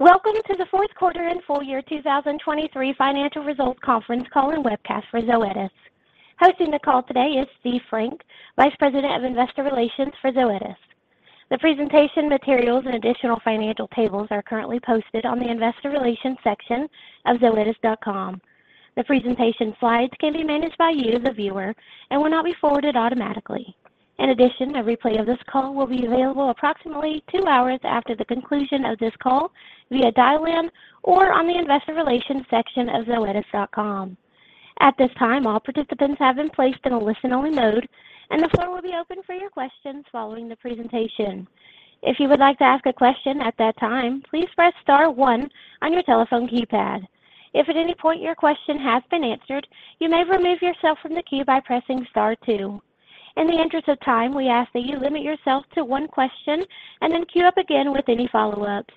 Welcome to the fourth quarter and full year 2023 financial results conference call and webcast for Zoetis. Hosting the call today is Steve Frank, Vice President of Investor Relations for Zoetis. The presentation materials and additional financial tables are currently posted on the Investor Relations section of zoetis.com. The presentation slides can be managed by you, the viewer, and will not be forwarded automatically. In addition, a replay of this call will be available approximately two hours after the conclusion of this call via dial-in or on the Investor Relations section of zoetis.com. At this time, all participants have been placed in a listen-only mode, and the floor will be open for your questions following the presentation. If you would like to ask a question at that time, please press star one on your telephone keypad. If at any point your question has been answered, you may remove yourself from the queue by pressing star two. In the interest of time, we ask that you limit yourself to one question and then queue up again with any follow-ups.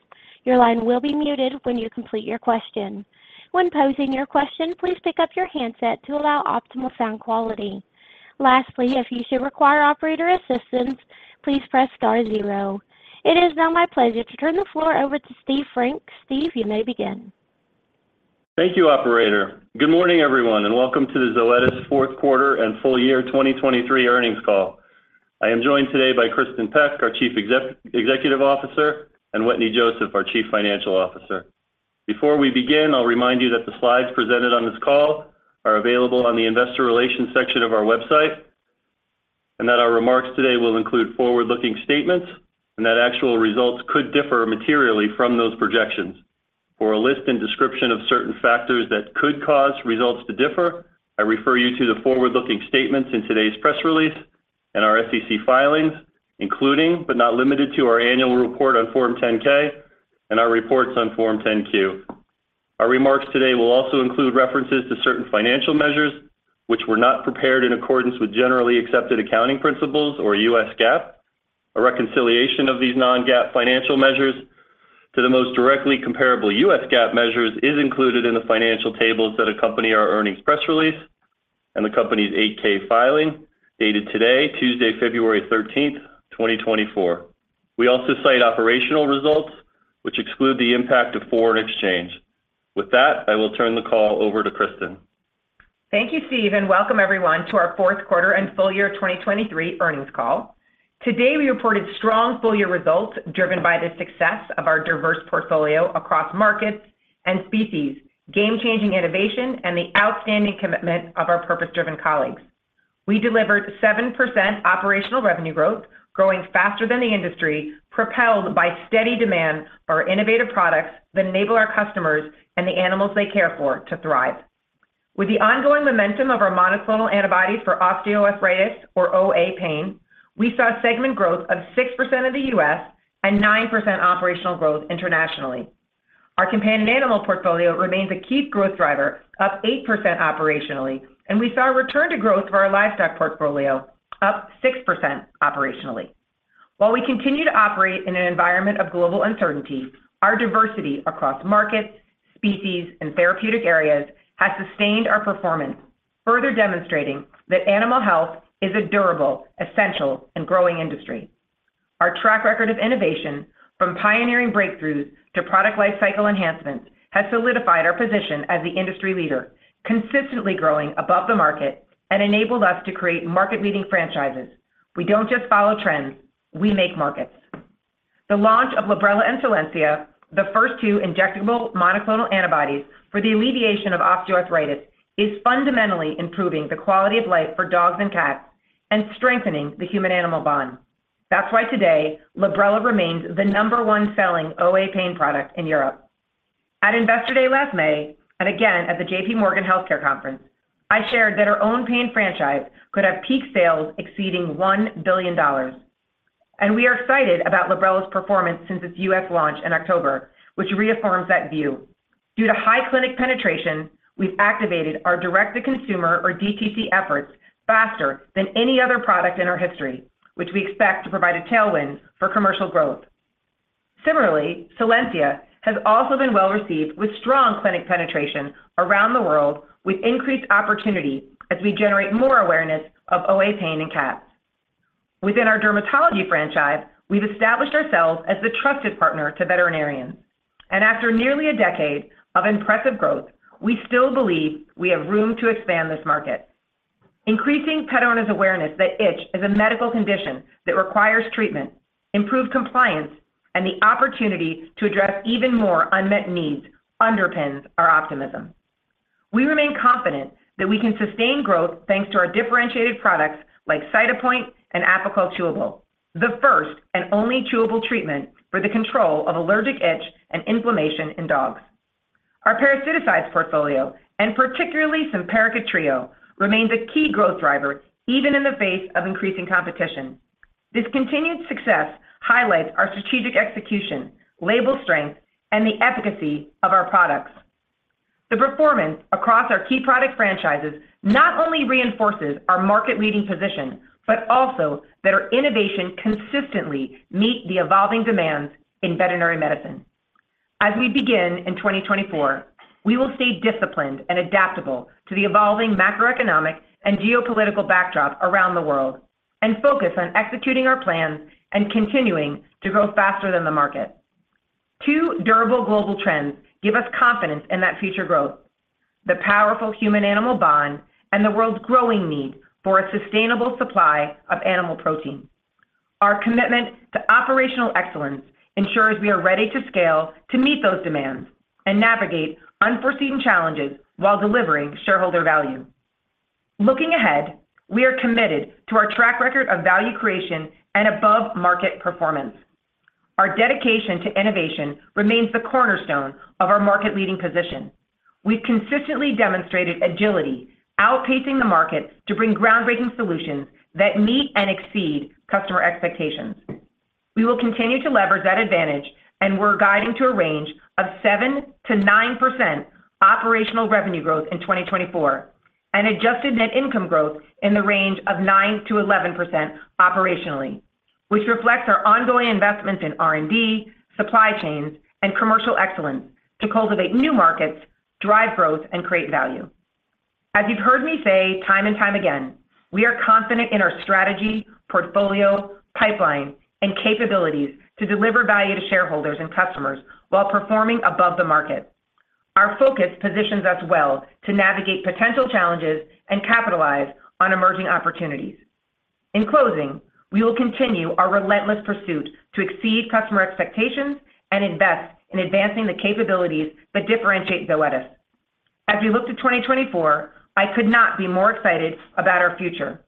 Your line will be muted when you complete your question. When posing your question, please pick up your handset to allow optimal sound quality. Lastly, if you should require operator assistance, please press star zero. It is now my pleasure to turn the floor over to Steve Frank. Steve, you may begin. Thank you, operator. Good morning, everyone, and welcome to the Zoetis fourth quarter and full year 2023 earnings call. I am joined today by Kristin Peck, our Chief Executive Officer, and Wetteny Joseph, our Chief Financial Officer. Before we begin, I'll remind you that the slides presented on this call are available on the Investor Relations section of our website, and that our remarks today will include forward-looking statements and that actual results could differ materially from those projections. For a list and description of certain factors that could cause results to differ, I refer you to the forward-looking statements in today's press release and our SEC filings, including but not limited to our annual report on Form 10-K and our reports on Form 10-Q. Our remarks today will also include references to certain financial measures, which were not prepared in accordance with generally accepted accounting principles or U.S. GAAP. A reconciliation of these non-GAAP financial measures to the most directly comparable U.S. GAAP measures is included in the financial tables that accompany our earnings press release and the company's 8-K filing dated today, Tuesday, February 13th, 2024. We also cite operational results, which exclude the impact of foreign exchange. With that, I will turn the call over to Kristin. Thank you, Steve, and welcome, everyone, to our fourth quarter and full year 2023 earnings call. Today, we reported strong full year results driven by the success of our diverse portfolio across markets and species, game-changing innovation, and the outstanding commitment of our purpose-driven colleagues. We delivered 7% operational revenue growth, growing faster than the industry, propelled by steady demand for innovative products that enable our customers and the animals they care for to thrive. With the ongoing momentum of our monoclonal antibodies for osteoarthritis, or OA pain, we saw segment growth of 6% in the U.S. and 9% operational growth internationally. Our companion animal portfolio remains a key growth driver, up 8% operationally, and we saw a return to growth for our livestock portfolio, up 6% operationally. While we continue to operate in an environment of global uncertainty, our diversity across markets, species, and therapeutic areas has sustained our performance, further demonstrating that animal health is a durable, essential, and growing industry. Our track record of innovation, from pioneering breakthroughs to product lifecycle enhancements, has solidified our position as the industry leader, consistently growing above the market and enabled us to create market-leading franchises. We don't just follow trends. We make markets. The launch of Librela and Solensia, the first two injectable monoclonal antibodies for the alleviation of osteoarthritis, is fundamentally improving the quality of life for dogs and cats and strengthening the human-animal bond. That's why today, Librela remains the number one-selling OA pain product in Europe. At Investor Day last May and again at the J.P. Morgan Healthcare Conference, I shared that our own pain franchise could have peak sales exceeding $1 billion. We are excited about Librela's performance since its U.S. launch in October, which reaffirms that view. Due to high clinic penetration, we've activated our direct-to-consumer, or DTC, efforts faster than any other product in our history, which we expect to provide a tailwind for commercial growth. Similarly, Solensia has also been well-received with strong clinic penetration around the world, with increased opportunity as we generate more awareness of OA pain in cats. Within our dermatology franchise, we've established ourselves as the trusted partner to veterinarians. After nearly a decade of impressive growth, we still believe we have room to expand this market. Increasing pet owners' awareness that itch is a medical condition that requires treatment, improved compliance, and the opportunity to address even more unmet needs underpins our optimism. We remain confident that we can sustain growth thanks to our differentiated products like Cytopoint and Apoquel Chewable, the first and only chewable treatment for the control of allergic itch and inflammation in dogs. Our parasiticides portfolio, and particularly Simparica Trio, remains a key growth driver even in the face of increasing competition. This continued success highlights our strategic execution, label strength, and the efficacy of our products. The performance across our key product franchises not only reinforces our market-leading position but also that our innovation consistently meets the evolving demands in veterinary medicine. As we begin in 2024, we will stay disciplined and adaptable to the evolving macroeconomic and geopolitical backdrop around the world and focus on executing our plans and continuing to grow faster than the market. Two durable global trends give us confidence in that future growth: the powerful human-animal bond and the world's growing need for a sustainable supply of animal protein. Our commitment to operational excellence ensures we are ready to scale to meet those demands and navigate unforeseen challenges while delivering shareholder value. Looking ahead, we are committed to our track record of value creation and above-market performance. Our dedication to innovation remains the cornerstone of our market-leading position. We've consistently demonstrated agility, outpacing the market to bring groundbreaking solutions that meet and exceed customer expectations. We will continue to leverage that advantage, and we're guiding to a range of 7%–9% operational revenue growth in 2024 and adjusted net income growth in the range of 9%–11% operationally, which reflects our ongoing investments in R&D, supply chains, and commercial excellence to cultivate new markets, drive growth, and create value. As you've heard me say time and time again, we are confident in our strategy, portfolio, pipeline, and capabilities to deliver value to shareholders and customers while performing above the market. Our focus positions us well to navigate potential challenges and capitalize on emerging opportunities. In closing, we will continue our relentless pursuit to exceed customer expectations and invest in advancing the capabilities that differentiate Zoetis. As we look to 2024, I could not be more excited about our future.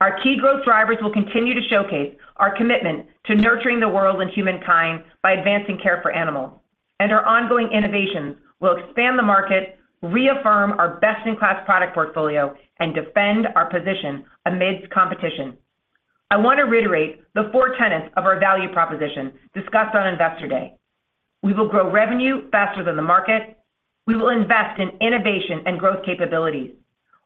Our key growth drivers will continue to showcase our commitment to nurturing the world and humankind by advancing care for animals, and our ongoing innovations will expand the market, reaffirm our best-in-class product portfolio, and defend our position amidst competition. I want to reiterate the four tenets of our value proposition discussed on Investor Day: we will grow revenue faster than the market; we will invest in innovation and growth capabilities;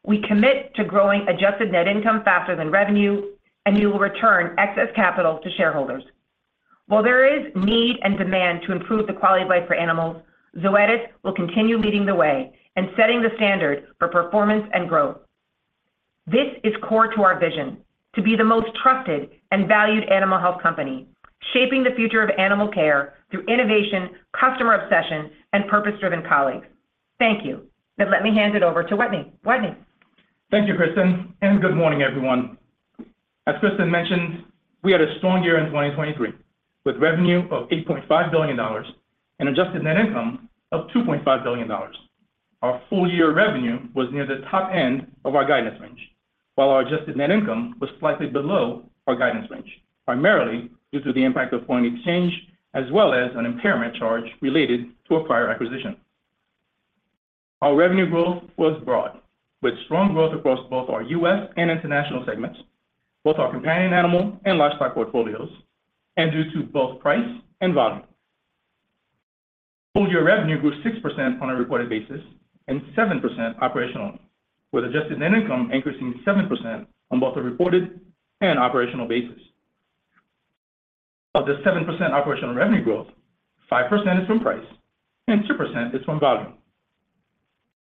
we commit to growing Adjusted Net Income faster than revenue; and we will return excess capital to shareholders. While there is need and demand to improve the quality of life for animals, Zoetis will continue leading the way and setting the standard for performance and growth. This is core to our vision: to be the most trusted and valued animal health company, shaping the future of animal care through innovation, customer obsession, and purpose-driven colleagues. Thank you. Now, let me hand it over to Wetteny. Wetteny. Thank you, Kristin, and good morning, everyone. As Kristin mentioned, we had a strong year in 2023 with revenue of $8.5 billion and adjusted net income of $2.5 billion. Our full year revenue was near the top end of our guidance range, while our adjusted net income was slightly below our guidance range, primarily due to the impact of foreign exchange as well as an impairment charge related to a prior acquisition. Our revenue growth was broad, with strong growth across both our U.S. and international segments, both our companion animal and livestock portfolios, and due to both price and volume. Full year revenue grew 6% on a reported basis and 7% operational, with adjusted net income increasing 7% on both a reported and operational basis. Of the 7% operational revenue growth, 5% is from price and 2% is from volume.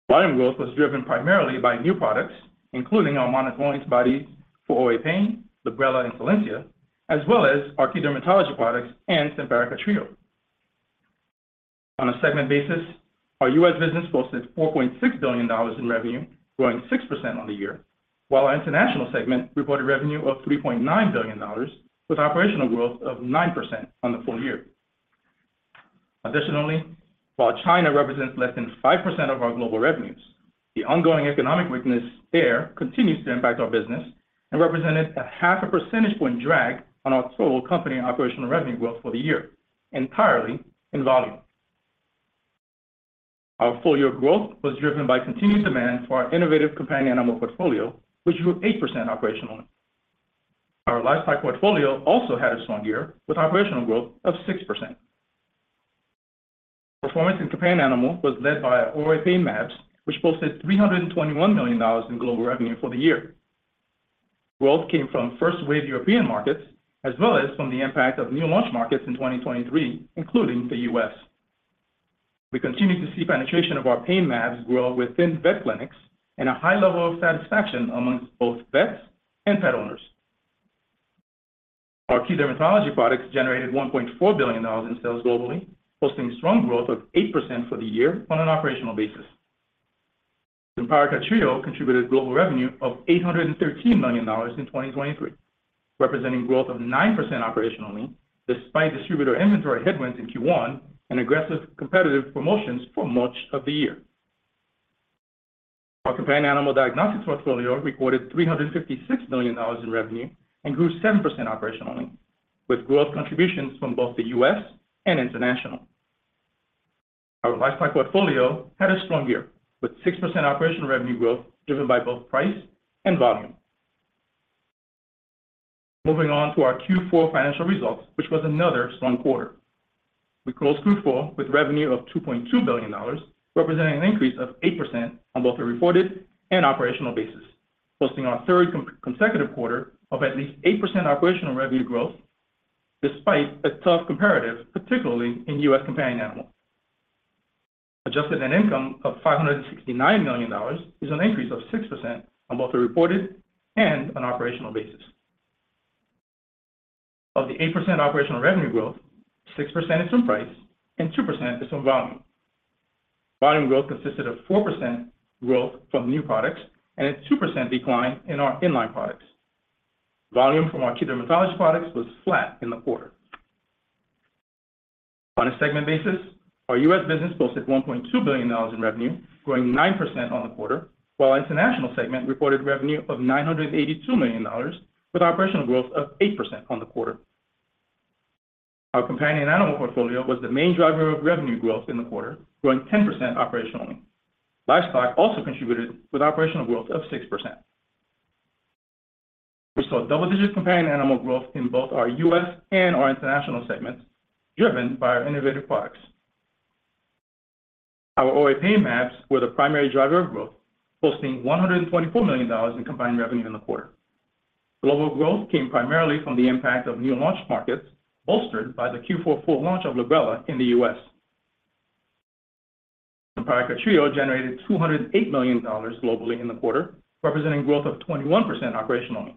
Volume growth was driven primarily by new products, including our monoclonal antibodies for OA pain, Librela, and Solensia, as well as our key dermatology products and Simparica Trio. On a segment basis, our U.S. business posted $4.6 billion in revenue, growing 6% on the year, while our international segment reported revenue of $3.9 billion, with operational growth of 9% on the full year. Additionally, while China represents less than 5% of our global revenues, the ongoing economic weakness there continues to impact our business and represented a half a percentage point drag on our total company operational revenue growth for the year, entirely in volume. Our full year growth was driven by continued demand for our innovative companion animal portfolio, which grew 8% operational. Our livestock portfolio also had a strong year with operational growth of 6%. Performance in companion animal was led by OA pain mAbs, which posted $321 million in global revenue for the year. Growth came from first-wave European markets as well as from the impact of new launch markets in 2023, including the US. We continue to see penetration of our pain mAbs grow within vet clinics and a high level of satisfaction among both vets and pet owners. Our key dermatology products generated $1.4 billion in sales globally, posting strong growth of 8% for the year on an operational basis. Simparica Trio contributed global revenue of $813 million in 2023, representing growth of 9% operationally despite distributor inventory headwinds in Q1 and aggressive competitive promotions for much of the year. Our companion animal diagnostics portfolio recorded $356 million in revenue and grew 7% operationally, with growth contributions from both the U.S. and international. Our livestock portfolio had a strong year, with 6% operational revenue growth driven by both price and volume. Moving on to our Q4 financial results, which was another strong quarter. We closed Q4 with revenue of $2.2 billion, representing an increase of 8% on both a reported and operational basis, posting our third consecutive quarter of at least 8% operational revenue growth despite a tough comparative, particularly in U.S. companion animal. Adjusted Net Income of $569 million is an increase of 6% on both a reported and an operational basis. Of the 8% operational revenue growth, 6% is from price and 2% is from volume. Volume growth consisted of 4% growth from new products and a 2% decline in our in-line products. Volume from our key dermatology products was flat in the quarter. On a segment basis, our U.S. business posted $1.2 billion in revenue, growing 9% on the quarter, while our international segment reported revenue of $982 million with operational growth of 8% on the quarter. Our companion animal portfolio was the main driver of revenue growth in the quarter, growing 10% operationally. Livestock also contributed with operational growth of 6%. We saw double-digit companion animal growth in both our U.S. and our international segments, driven by our innovative products. Our OA pain mAbs were the primary driver of growth, posting $124 million in combined revenue in the quarter. Global growth came primarily from the impact of new launch markets bolstered by the Q4 full launch of Librela in the U.S. Simparica Trio generated $208 million globally in the quarter, representing growth of 21% operationally.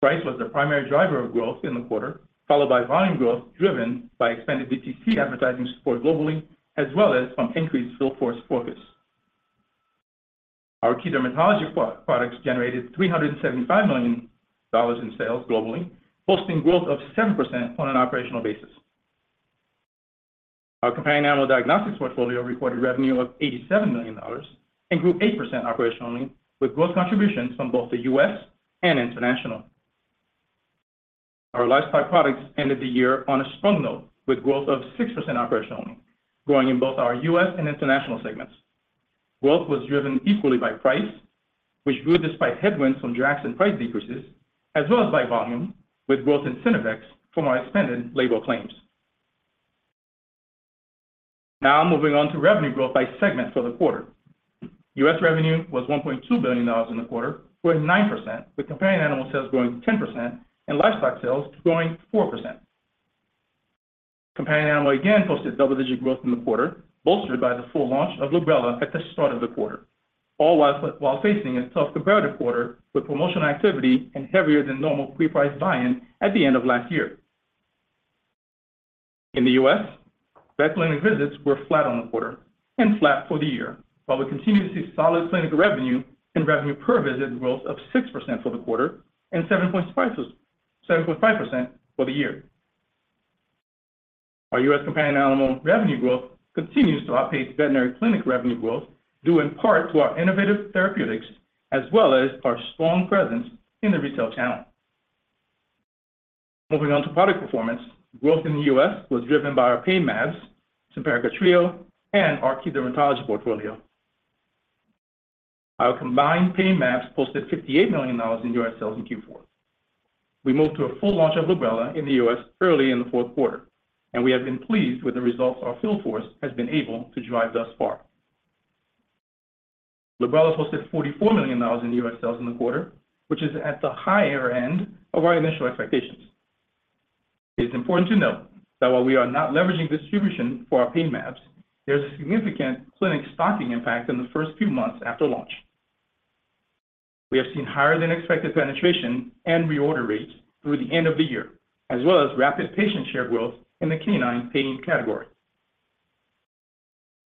Price was the primary driver of growth in the quarter, followed by volume growth driven by expanded DTC advertising support globally as well as from increased field force focus. Our key dermatology products generated $375 million in sales globally, posting growth of 7% on an operational basis. Our companion animal diagnostics portfolio recorded revenue of $87 million and grew 8% operationally, with growth contributions from both the U.S. and international. Our livestock products ended the year on a strong note with growth of 6% operationally, growing in both our U.S. and international segments. Growth was driven equally by price, which grew despite headwinds from Draxxin price decreases, as well as by volume, with growth in Synovex from our expanded label claims. Now, moving on to revenue growth by segment for the quarter. U.S. revenue was $1.2 billion in the quarter, growing 9%, with companion animal sales growing 10% and livestock sales growing 4%. Companion animal again posted double-digit growth in the quarter, bolstered by the full launch of Librela at the start of the quarter, all while facing a tough comparative quarter with promotional activity and heavier-than-normal pre-price buying at the end of last year. In the U.S., vet clinic visits were flat on the quarter and flat for the year, while we continue to see solid clinical revenue and revenue per visit growth of 6% for the quarter and 7.5% for the year. Our U.S. companion animal revenue growth continues to outpace veterinary clinic revenue growth, due in part to our innovative therapeutics as well as our strong presence in the retail channel. Moving on to product performance, growth in the U.S. was driven by our pain mAbs, Simparica Trio, and our key dermatology portfolio. Our combined pain mAbs posted $58 million in U.S. sales in Q4. We moved to a full launch of Librela in the U.S. early in the fourth quarter, and we have been pleased with the results our field force has been able to drive thus far. Librela posted $44 million in U.S. sales in the quarter, which is at the higher end of our initial expectations. It is important to note that while we are not leveraging distribution for our pain mAbs, there is a significant clinic stocking impact in the first few months after launch. We have seen higher-than-expected penetration and reorder rates through the end of the year, as well as rapid market share growth in the canine pain category.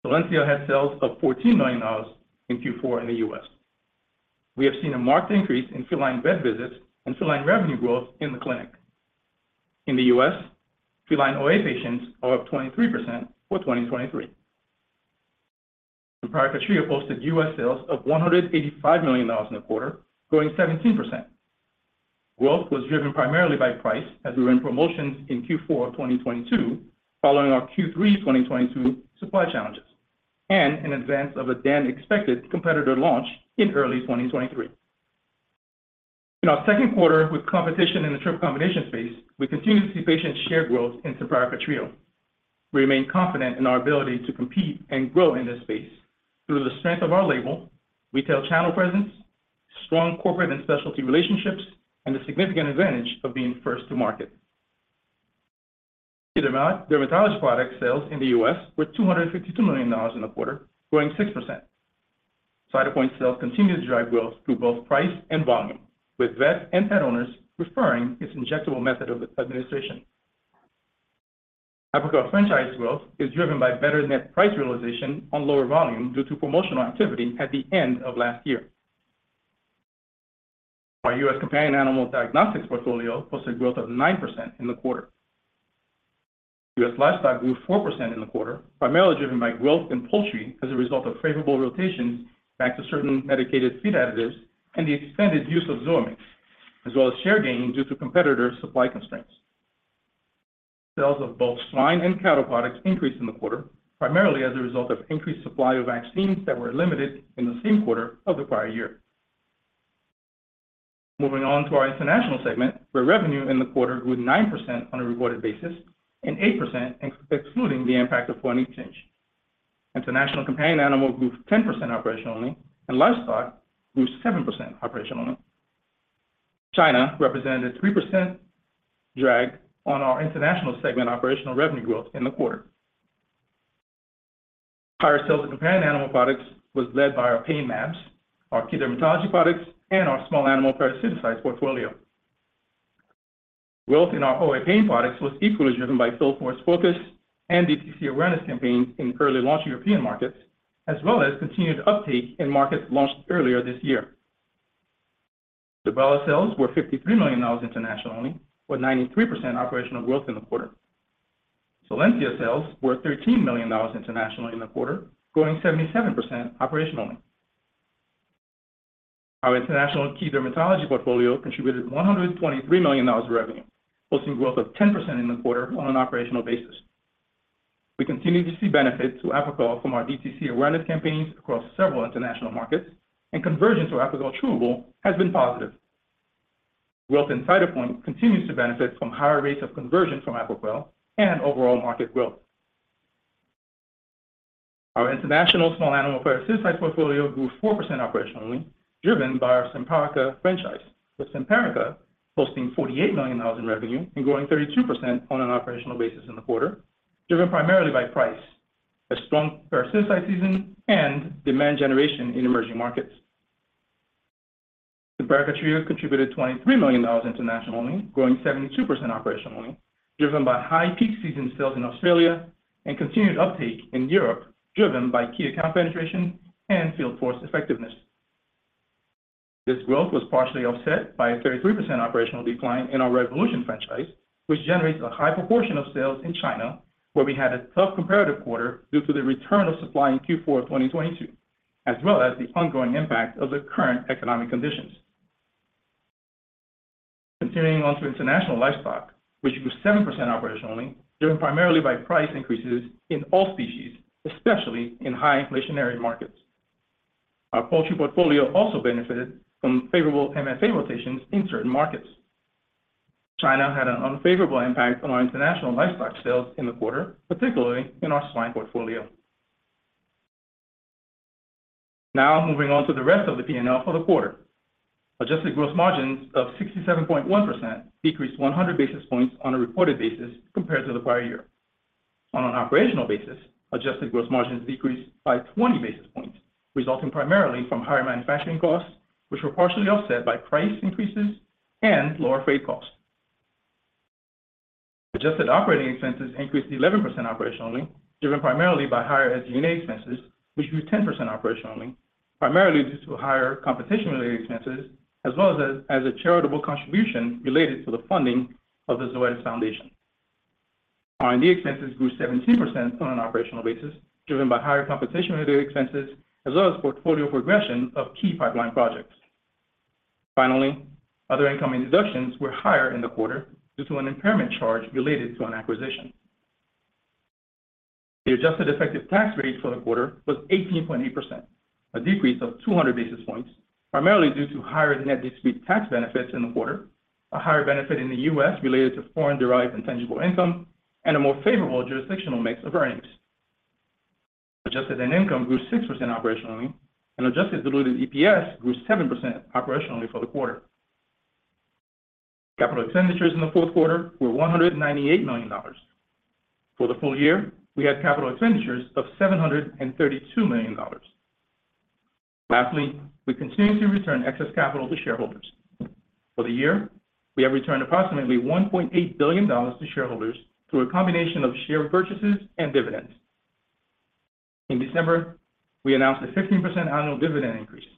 Solensia had sales of $14 million in Q4 in the US. We have seen a marked increase in feline vet visits and feline revenue growth in the clinic. In the US, feline OA patients are up 23% for 2023. Simparica Trio posted U.S. sales of $185 million in the quarter, growing 17%. Growth was driven primarily by price as we were in promotions in Q4 of 2022 following our Q3 2022 supply challenges and in advance of a then-expected competitor launch in early 2023. In our second quarter, with competition in the triple combination space, we continue to see patient share growth in Simparica Trio. We remain confident in our ability to compete and grow in this space through the strength of our label, retail channel presence, strong corporate and specialty relationships, and the significant advantage of being first to market. Key dermatology product sales in the U.S. were $252 million in the quarter, growing 6%. Cytopoint sales continue to drive growth through both price and volume, with vet and pet owners preferring its injectable method of administration. Apoquel franchise growth is driven by better net price realization on lower volume due to promotional activity at the end of last year. Our U.S. companion animal diagnostics portfolio posted growth of 9% in the quarter. U.S. livestock grew 4% in the quarter, primarily driven by growth in poultry as a result of favorable rotations back to certain medicated feed additives and the expanded use of Zoamix, as well as share gain due to competitor supply constraints. Sales of both swine and cattle products increased in the quarter, primarily as a result of increased supply of vaccines that were limited in the same quarter of the prior year. Moving on to our international segment, where revenue in the quarter grew 9% on a reported basis and 8% excluding the impact of foreign exchange. International companion animal grew 10% operationally, and livestock grew 7% operationally. China represented 3% drag on our international segment operational revenue growth in the quarter. Higher sales of companion animal products were led by our pain mAbs, our key dermatology products, and our small animal parasiticides portfolio. Growth in our OA pain products was equally driven by field force focus and DTC awareness campaigns in early launch European markets, as well as continued uptake in markets launched earlier this year. Librela sales were $53 million internationally, with 93% operational growth in the quarter. Solensia sales were $13 million internationally in the quarter, growing 77% operationally. Our international key dermatology portfolio contributed $123 million in revenue, posting growth of 10% in the quarter on an operational basis. We continue to see benefit to Apoquel from our DTC awareness campaigns across several international markets, and conversion to Apoquel Chewable has been positive. Growth in Cytopoint continues to benefit from higher rates of conversion from Apoquel and overall market growth. Our international small animal parasiticides portfolio grew 4% operationally, driven by our Simparica franchise, with Simparica posting $48 million in revenue and growing 32% on an operational basis in the quarter, driven primarily by price, a strong parasiticide season, and demand generation in emerging markets. Simparica Trio contributed $23 million internationally, growing 72% operationally, driven by high peak season sales in Australia and continued uptake in Europe, driven by key account penetration and field force effectiveness. This growth was partially offset by a 33% operational decline in our Revolution franchise, which generates a high proportion of sales in China, where we had a tough comparative quarter due to the return of supply in Q4 of 2022, as well as the ongoing impact of the current economic conditions. Continuing on to international livestock, which grew 7% operationally, driven primarily by price increases in all species, especially in high inflationary markets. Our poultry portfolio also benefited from favorable MFA rotations in certain markets. China had an unfavorable impact on our international livestock sales in the quarter, particularly in our swine portfolio. Now, moving on to the rest of the P&L for the quarter. Adjusted gross margins of 67.1% decreased 100 basis points on a reported basis compared to the prior year. On an operational basis, adjusted gross margins decreased by 20 basis points, resulting primarily from higher manufacturing costs, which were partially offset by price increases and lower freight costs. Adjusted operating expenses increased 11% operationally, driven primarily by higher SG&A expenses, which grew 10% operationally, primarily due to higher competition-related expenses, as well as a charitable contribution related to the funding of the Zoetis Foundation. R&D expenses grew 17% on an operational basis, driven by higher competition-related expenses, as well as portfolio progression of key pipeline projects. Finally, other incoming deductions were higher in the quarter due to an impairment charge related to an acquisition. The adjusted effective tax rate for the quarter was 18.8%, a decrease of 200 basis points, primarily due to higher net discrete tax benefits in the quarter, a higher benefit in the U.S. related to foreign-derived intangible income, and a more favorable jurisdictional mix of earnings. Adjusted net income grew 6% operationally, and adjusted diluted EPS grew 7% operationally for the quarter. Capital expenditures in the fourth quarter were $198 million. For the full year, we had capital expenditures of $732 million. Lastly, we continue to return excess capital to shareholders. For the year, we have returned approximately $1.8 billion to shareholders through a combination of share purchases and dividends. In December, we announced a 15% annual dividend increase,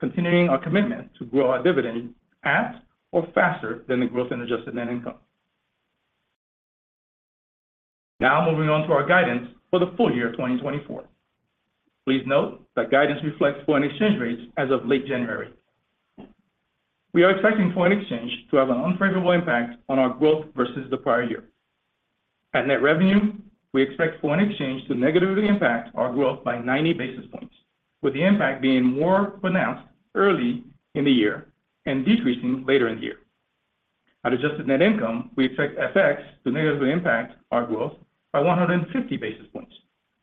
continuing our commitment to grow our dividend at or faster than the growth in adjusted net income. Now, moving on to our guidance for the full year 2024. Please note that guidance reflects foreign exchange rates as of late January. We are expecting foreign exchange to have an unfavorable impact on our growth versus the prior year. At net revenue, we expect foreign exchange to negatively impact our growth by 90 basis points, with the impact being more pronounced early in the year and decreasing later in the year. At adjusted net income, we expect FX to negatively impact our growth by 150 basis points,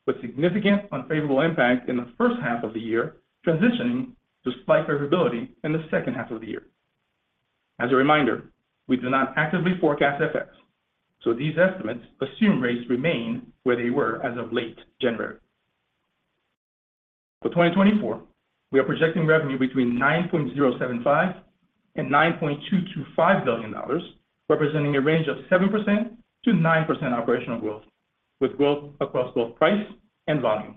with significant unfavorable impact in the first half of the year, transitioning to slight favorability in the second half of the year. As a reminder, we do not actively forecast FX, so these estimates assume rates remain where they were as of late January. For 2024, we are projecting revenue between $9.075–$9.225 billion, representing a range of 7%-9% operational growth, with growth across both price and volume.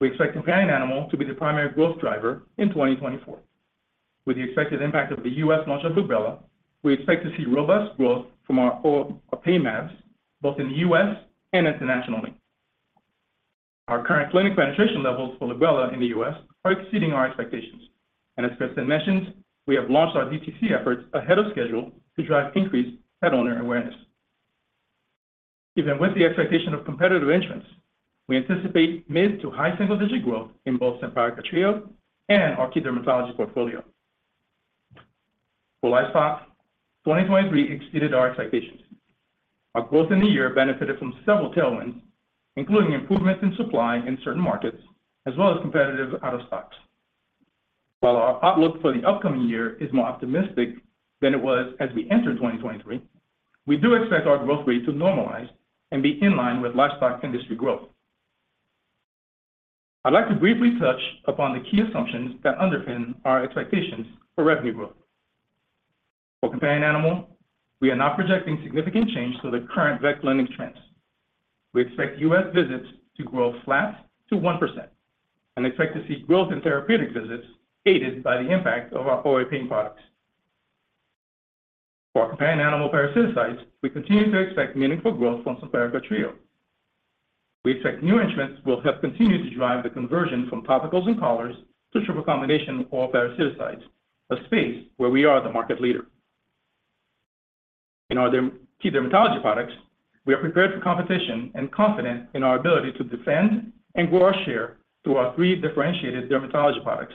We expect companion animal to be the primary growth driver in 2024. With the expected impact of the U.S. launch of Librela, we expect to see robust growth from our pain meds, both in the U.S. and internationally. Our current clinic penetration levels for Librela in the U.S. are exceeding our expectations, and as Kristin mentioned, we have launched our DTC efforts ahead of schedule to drive increased pet owner awareness. Even with the expectation of competitive entrants, we anticipate mid- to high single-digit growth in both Simparica Trio and our key dermatology portfolio. For livestock, 2023 exceeded our expectations. Our growth in the year benefited from several tailwinds, including improvements in supply in certain markets, as well as competitive out-of-stock. While our outlook for the upcoming year is more optimistic than it was as we entered 2023, we do expect our growth rate to normalize and be in line with livestock industry growth. I'd like to briefly touch upon the key assumptions that underpin our expectations for revenue growth. For companion animal, we are not projecting significant change to the current vet clinic trends. We expect U.S. visits to grow flat to 1% and expect to see growth in therapeutic visits aided by the impact of our OA pain products. For companion animal parasiticides, we continue to expect meaningful growth from Simparica Trio. We expect new entrants will help continue to drive the conversion from topicals and collars to triple combination oral parasiticides, a space where we are the market leader. In our key dermatology products, we are prepared for competition and confident in our ability to defend and grow our share through our three differentiated dermatology products,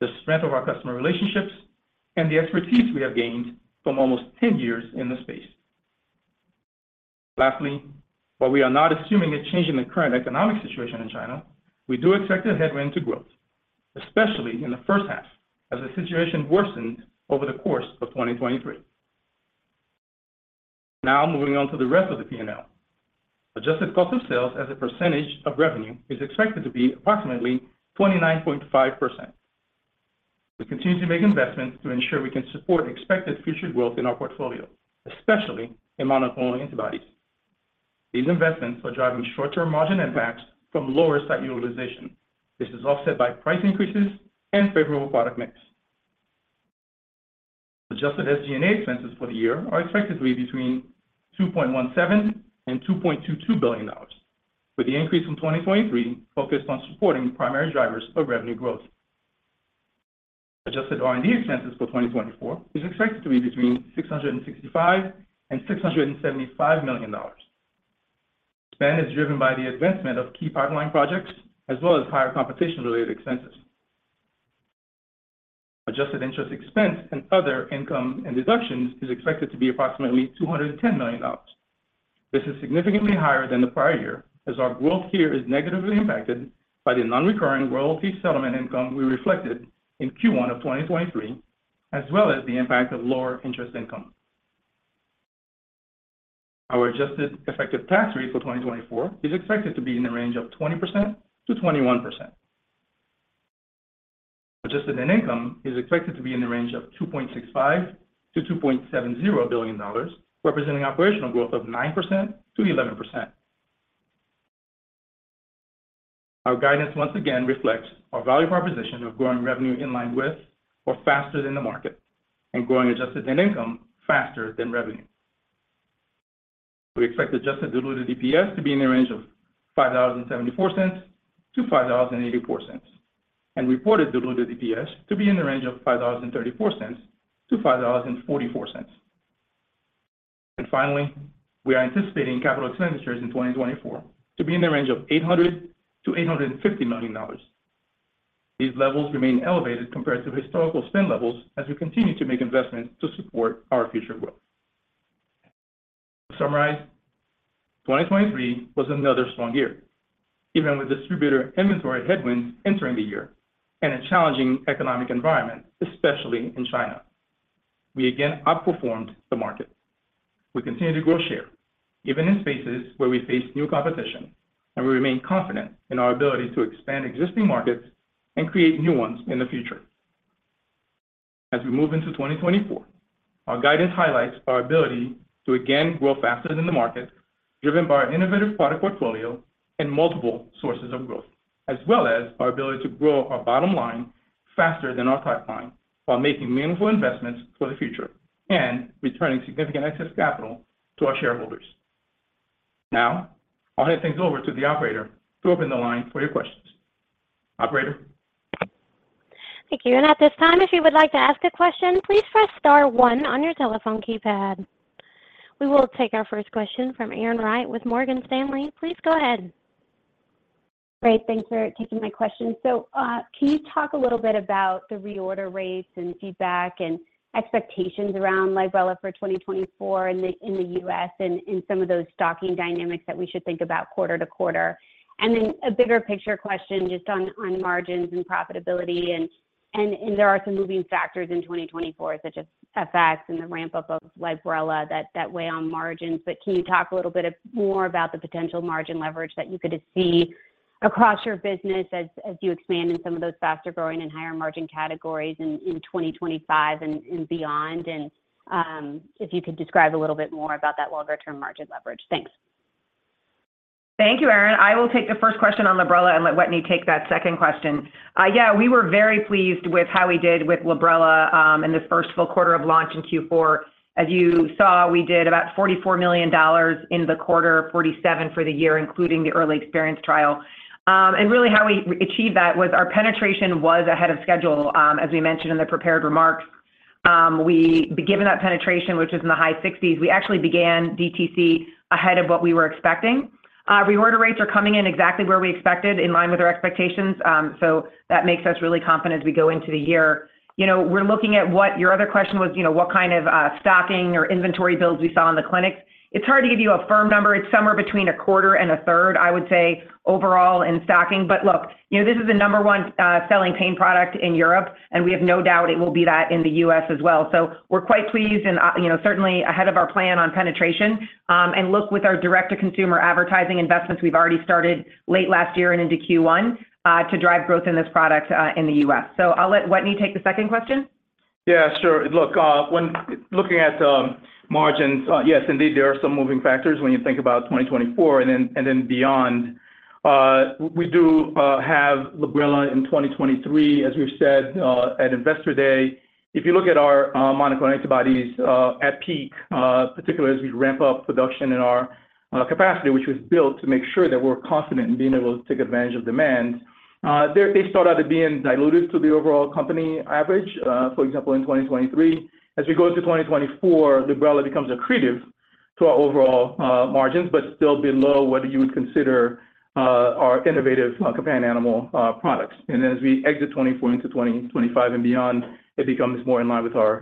the strength of our customer relationships, and the expertise we have gained from almost 10 years in the space. Lastly, while we are not assuming a change in the current economic situation in China, we do expect a headwind to growth, especially in the first half as the situation worsened over the course of 2023. Now, moving on to the rest of the P&L. Adjusted cost of sales as a percentage of revenue is expected to be approximately 29.5%. We continue to make investments to ensure we can support expected future growth in our portfolio, especially in monoclonal antibodies. These investments are driving short-term margin impacts from lower site utilization. This is offset by price increases and favorable product mix. Adjusted SG&A expenses for the year are expected to be between $2.17–$2.22 billion, with the increase from 2023 focused on supporting primary drivers of revenue growth. Adjusted R&D expenses for 2024 is expected to be between $665–$675 million. Spend is driven by the advancement of key pipeline projects, as well as higher competition-related expenses. Adjusted interest expense and other income and deductions is expected to be approximately $210 million. This is significantly higher than the prior year as our growth here is negatively impacted by the non-recurring royalty settlement income we reflected in Q1 of 2023, as well as the impact of lower interest income. Our adjusted effective tax rate for 2024 is expected to be in the range of 20%–21%. Adjusted net income is expected to be in the range of $2.65–$2.70 billion, representing operational growth of 9%–11%. Our guidance once again reflects our value proposition of growing revenue in line with or faster than the market and growing adjusted net income faster than revenue. We expect adjusted diluted EPS to be in the range of $5.074–$5.084 and reported diluted EPS to be in the range of $5.034–$5.044. And finally, we are anticipating capital expenditures in 2024 to be in the range of $800 million–$850 million. These levels remain elevated compared to historical spend levels as we continue to make investments to support our future growth. To summarize, 2023 was another strong year. Even with distributor inventory headwinds entering the year and a challenging economic environment, especially in China, we again outperformed the market. We continue to grow share, even in spaces where we face new competition, and we remain confident in our ability to expand existing markets and create new ones in the future. As we move into 2024, our guidance highlights our ability to again grow faster than the market, driven by our innovative product portfolio and multiple sources of growth, as well as our ability to grow our bottom line faster than our pipeline while making meaningful investments for the future and returning significant excess capital to our shareholders. Now, I'll hand things over to the operator to open the line for your questions. Operator. Thank you. At this time, if you would like to ask a question, please press star one on your telephone keypad. We will take our first question from Erin Wright with Morgan Stanley. Please go ahead. Great. Thanks for taking my question. So can you talk a little bit about the reorder rates and feedback and expectations around Librela for 2024 in the U.S. and some of those stocking dynamics that we should think about quarter to quarter? And then a bigger picture question just on margins and profitability. And there are some moving factors in 2024 such as FX and the ramp-up of Librela that weigh on margins. But can you talk a little bit more about the potential margin leverage that you could see across your business as you expand in some of those faster-growing and higher-margin categories in 2025 and beyond? And if you could describe a little bit more about that longer-term margin leverage. Thanks. Thank you, Aaron. I will take the first question on Librela and let Wetteny take that second question. Yeah, we were very pleased with how we did with Librela in this first full quarter of launch in Q4. As you saw, we did about $44 million in the quarter, $47 million for the year, including the early experience trial. And really, how we achieved that was our penetration was ahead of schedule, as we mentioned in the prepared remarks. Given that penetration, which was in the high 60s%, we actually began DTC ahead of what we were expecting. Reorder rates are coming in exactly where we expected, in line with our expectations. So that makes us really confident as we go into the year. We're looking at what your other question was, what kind of stocking or inventory builds we saw in the clinics. It's hard to give you a firm number. It's somewhere between a quarter and a third, I would say, overall in stocking. But look, this is the number one selling pain product in Europe, and we have no doubt it will be that in the U.S. as well. So we're quite pleased and certainly ahead of our plan on penetration. And look, with our direct-to-consumer advertising investments, we've already started late last year and into Q1 to drive growth in this product in the U.S. So I'll let Wetteny take the second question. Yeah, sure. Look, looking at margins, yes, indeed, there are some moving factors when you think about 2024 and then beyond. We do have Librela in 2023, as we've said at Investor Day. If you look at our monoclonal antibodies at peak, particularly as we ramp up production in our capacity, which was built to make sure that we're confident in being able to take advantage of demand, they start out to be diluted to the overall company average. For example, in 2023, as we go into 2024, Librela becomes accretive to our overall margins, but still below whether you would consider our innovative companion animal products. And then as we exit 2024 into 2025 and beyond, it becomes more in line with our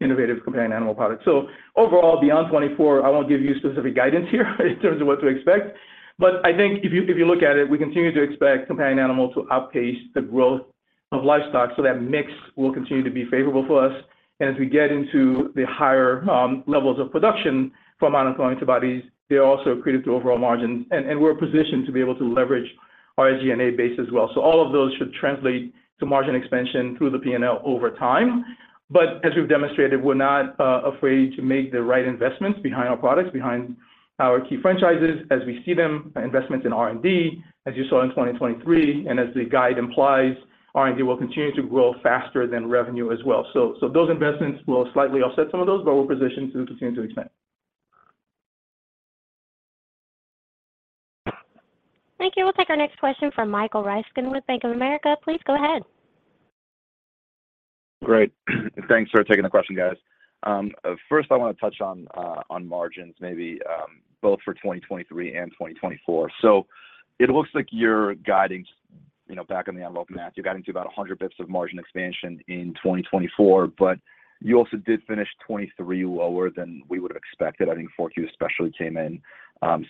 innovative companion animal products. So overall, beyond 2024, I won't give you specific guidance here in terms of what to expect. But I think if you look at it, we continue to expect companion animal to outpace the growth of livestock. So that mix will continue to be favorable for us. And as we get into the higher levels of production for monoclonal antibodies, they're also accretive to overall margins. And we're positioned to be able to leverage our SG&A base as well. So all of those should translate to margin expansion through the P&L over time. But as we've demonstrated, we're not afraid to make the right investments behind our products, behind our key franchises as we see them, investments in R&D, as you saw in 2023. And as the guide implies, R&D will continue to grow faster than revenue as well. So those investments will slightly offset some of those, but we're positioned to continue to expand. Thank you. We'll take our next question from Michael Ryskin with Bank of America. Please go ahead. Great. Thanks for taking the question, guys. First, I want to touch on margins, maybe both for 2023 and 2024. So it looks like you're guiding back-of-the-envelope math. You're guiding to about 100 basis points of margin expansion in 2024, but you also did finish 2023 lower than we would have expected. I think 4Q especially came in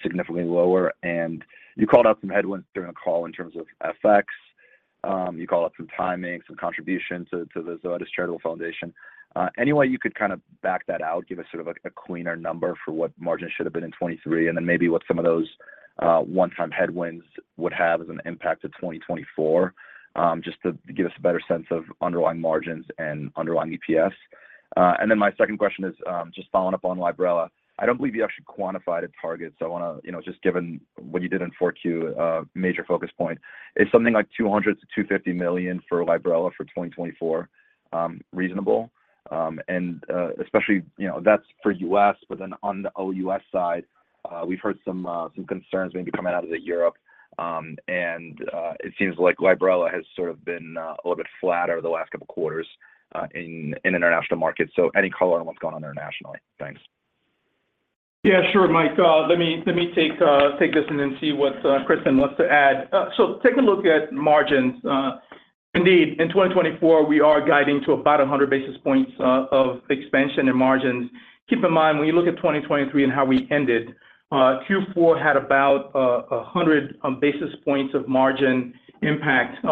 significantly lower. And you called out some headwinds during the call in terms of FX. You called out some timing, some contribution to the Zoetis Foundation. Any way you could kind of back that out, give us sort of a cleaner number for what margins should have been in 2023, and then maybe what some of those one-time headwinds would have as an impact to 2024, just to give us a better sense of underlying margins and underlying EPS? Then my second question is just following up on Librela. I don't believe you actually quantified a target. So I want to, just given what you did in 4Q, a major focus point, is something like $200 million-$250 million for Librela for 2024 reasonable? And especially that's for the U.S., but then on the OUS side, we've heard some concerns maybe coming out of Europe. And it seems like Librela has sort of been a little bit flatter the last couple of quarters in international markets. So any color on what's gone on internationally? Thanks. Yeah, sure, Mike. Let me take this and then see what Kristen wants to add. So taking a look at margins, indeed, in 2024, we are guiding to about 100 basis points of expansion in margins. Keep in mind, when you look at 2023 and how we ended, Q4 had about 100 basis points of margin impact,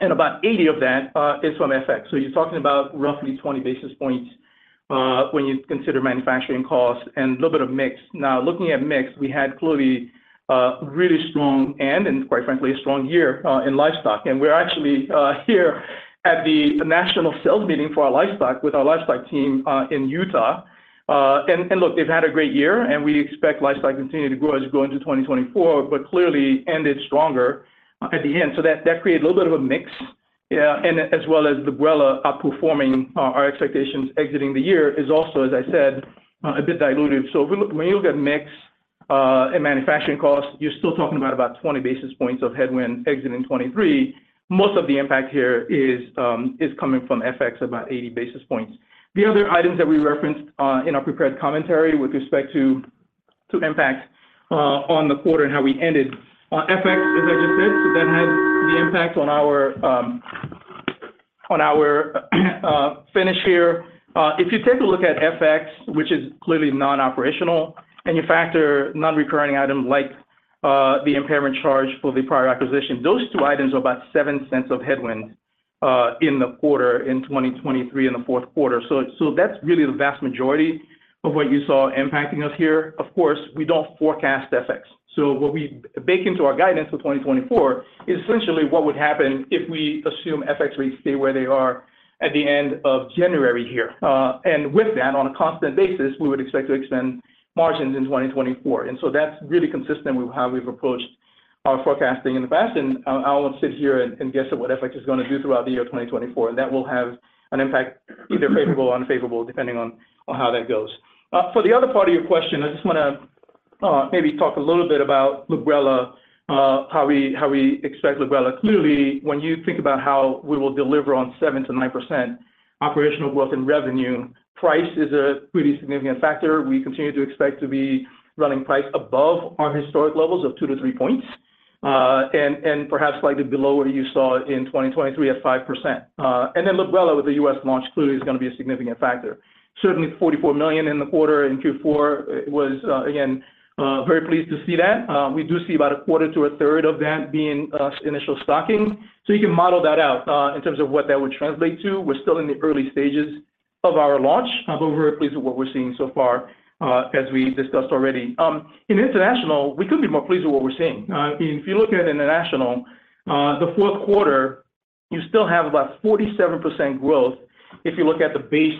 and about 80 of that is from FX. So you're talking about roughly 20 basis points when you consider manufacturing costs and a little bit of mix. Now, looking at mix, we had clearly a really strong and, quite frankly, a strong year in livestock. And we're actually here at the national sales meeting for our livestock with our livestock team in Utah. And look, they've had a great year, and we expect livestock to continue to grow as we go into 2024, but clearly ended stronger at the end. So that created a little bit of a mix. And as well as Librela outperforming our expectations exiting the year is also, as I said, a bit diluted. So when you look at mix and manufacturing costs, you're still talking about 20 basis points of headwind exiting 2023. Most of the impact here is coming from FX, about 80 basis points. The other items that we referenced in our prepared commentary with respect to impact on the quarter and how we ended, FX, as I just said, so that had the impact on our finish here. If you take a look at FX, which is clearly non-operational, and you factor non-recurring items like the impairment charge for the prior acquisition, those two items are about $0.07 of headwind in the quarter in 2023 and the fourth quarter. So that's really the vast majority of what you saw impacting us here. Of course, we don't forecast FX. So what we bake into our guidance for 2024 is essentially what would happen if we assume FX rates stay where they are at the end of January here. And with that, on a constant basis, we would expect to expand margins in 2024. And so that's really consistent with how we've approached our forecasting in the past. And I won't sit here and guess at what FX is going to do throughout the year 2024. And that will have an impact either favorable or unfavorable, depending on how that goes. For the other part of your question, I just want to maybe talk a little bit about Librela, how we expect Librela. Clearly, when you think about how we will deliver on 7%–9% operational growth in revenue, price is a pretty significant factor. We continue to expect to be running price above our historic levels of 2–3 points and perhaps slightly below what you saw in 2023 at 5%. And then Librela with the U.S. launch clearly is going to be a significant factor. Certainly, $44 million in the quarter in Q4. It was, again, very pleased to see that. We do see about a quarter to a third of that being initial stocking. So you can model that out in terms of what that would translate to. We're still in the early stages of our launch. I'm overly pleased with what we're seeing so far, as we discussed already. In international, we couldn't be more pleased with what we're seeing. If you look at international, the fourth quarter, you still have about 47% growth if you look at the base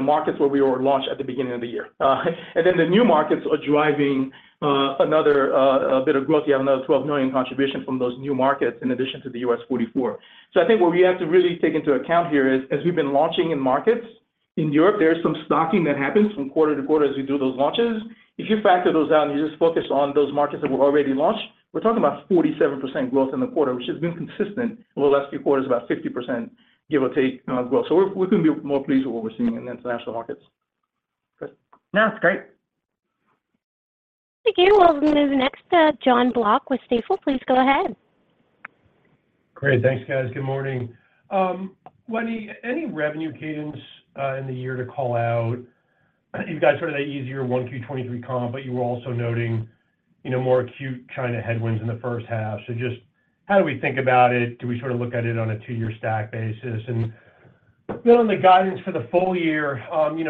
markets where we were launched at the beginning of the year. And then the new markets are driving another bit of growth. You have another $12 million contribution from those new markets in addition to the U.S. $44 million. So I think what we have to really take into account here is, as we've been launching in markets in Europe, there is some stocking that happens from quarter to quarter as we do those launches. If you factor those out and you just focus on those markets that were already launched, we're talking about 47% growth in the quarter, which has been consistent over the last few quarters, about 50%, give or take, growth. So we couldn't be more pleased with what we're seeing in international markets. No, that's great. Thank you. Well, then the next Jon Block with Stifel, please go ahead. Great. Thanks, guys. Good morning. Wetteny, any revenue cadence in the year to call out? You've got sort of that easier 1Q23 comp, but you were also noting more acute China headwinds in the first half. So just how do we think about it? Do we sort of look at it on a two-year stack basis? And then on the guidance for the full year,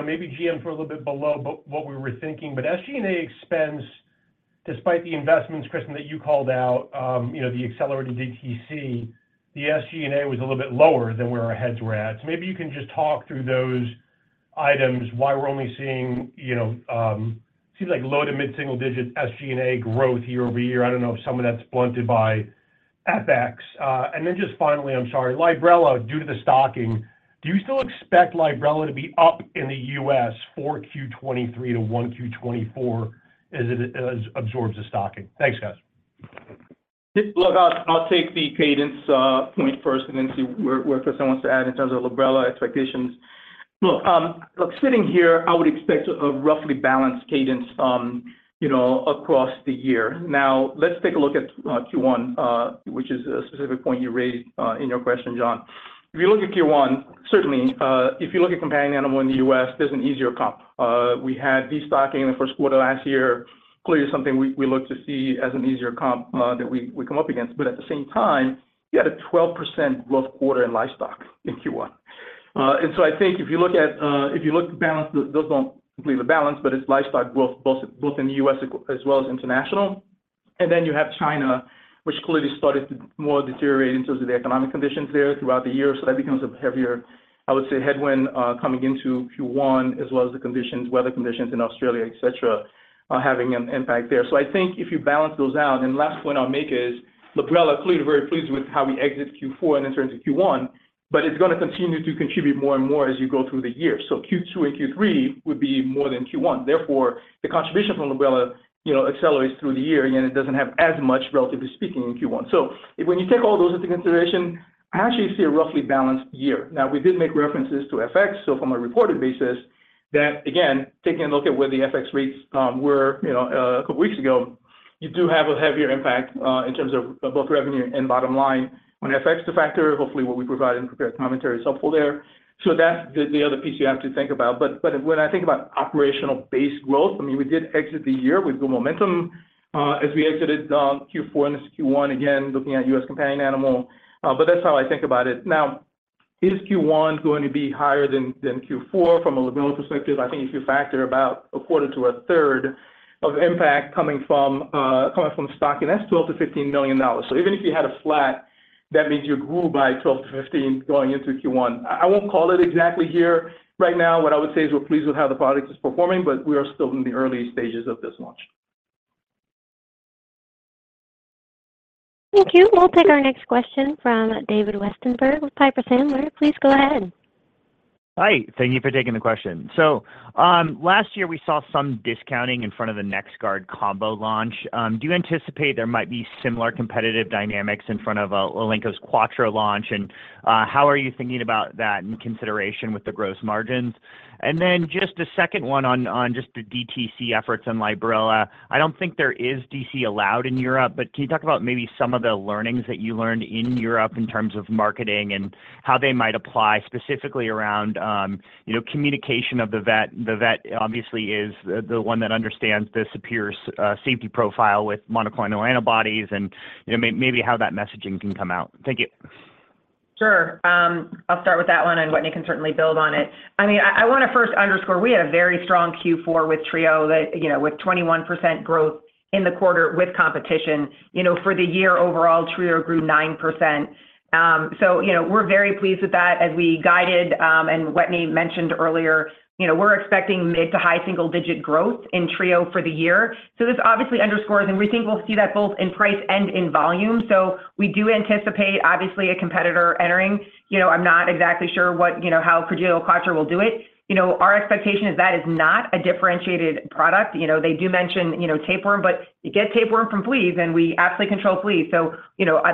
maybe GM for a little bit below what we were thinking. But SG&A expense, despite the investments, Kristin, that you called out, the accelerated DTC, the SG&A was a little bit lower than where our heads were at. So maybe you can just talk through those items, why we're only seeing, it seems like, low to mid-single digit SG&A growth year-over-year. I don't know if some of that's blunted by FX. Then just finally, I'm sorry, Librela, due to the stocking, do you still expect Librela to be up in the U.S. 4Q2023–1Q2024 as it absorbs the stocking? Thanks, guys. Look, I'll take the cadence point first and then see what Kristin wants to add in terms of Librela expectations. Look, sitting here, I would expect a roughly balanced cadence across the year. Now, let's take a look at Q1, which is a specific point you raised in your question, John. If you look at Q1, certainly, if you look at companion animal in the U.S., there's an easier comp. We had the stocking in the first quarter last year. Clearly, something we look to see as an easier comp that we come up against. But at the same time, you had a 12% growth quarter in livestock in Q1. And so I think if you look to balance those don't completely balance, but it's livestock growth both in the U.S. as well as international. Then you have China, which clearly started to more deteriorate in terms of the economic conditions there throughout the year. So that becomes a heavier, I would say, headwind coming into Q1 as well as the conditions, weather conditions in Australia, etc., having an impact there. So I think if you balance those out and last point I'll make is Librela clearly very pleased with how we exit Q4 and in terms of Q1, but it's going to continue to contribute more and more as you go through the year. So Q2 and Q3 would be more than Q1. Therefore, the contribution from Librela accelerates through the year. Again, it doesn't have as much, relatively speaking, in Q1. So when you take all those into consideration, I actually see a roughly balanced year. Now, we did make references to FX. So from a reported basis, that, again, taking a look at where the FX rates were a couple of weeks ago, you do have a heavier impact in terms of both revenue and bottom line on FX to factor. Hopefully, what we provide in prepared commentary is helpful there. So that's the other piece you have to think about. But when I think about operational-based growth, I mean, we did exit the year with good momentum as we exited Q4 and Q1, again, looking at U.S. companion animal. But that's how I think about it. Now, is Q1 going to be higher than Q4 from a Librela perspective? I think if you factor about a quarter to a third of impact coming from stocking, that's $12 million–$15 million. So even if you had a flat, that means you grew by $12 million–$15 million going into Q1. I won't call it exactly here right now. What I would say is we're pleased with how the product is performing, but we are still in the early stages of this launch. Thank you. We'll take our next question from David Westenberg with Piper Sandler. Please go ahead. Hi. Thank you for taking the question. So last year, we saw some discounting in front of the NexGard Combo launch. Do you anticipate there might be similar competitive dynamics in front of Elanco's Credelio Quattro launch? And how are you thinking about that in consideration with the gross margins? And then just a second one on just the DTC efforts on Librela. I don't think there is DTC allowed in Europe, but can you talk about maybe some of the learnings that you learned in Europe in terms of marketing and how they might apply specifically around communication of the vet? The vet, obviously, is the one that understands this mAb's safety profile with monoclonal antibodies and maybe how that messaging can come out. Thank you. Sure. I'll start with that one, and Wetteny can certainly build on it. I mean, I want to first underscore we had a very strong Q4 with Trio with 21% growth in the quarter with competition. For the year overall, Trio grew 9%. So we're very pleased with that. As we guided and Wetteny mentioned earlier, we're expecting mid- to high-single-digit growth in Trio for the year. So this obviously underscores, and we think we'll see that both in price and in volume. So we do anticipate, obviously, a competitor entering. I'm not exactly sure how Credelio Quattro will do it. Our expectation is that is not a differentiated product. They do mention tapeworm, but you get tapeworm from fleas, and we absolutely control fleas. So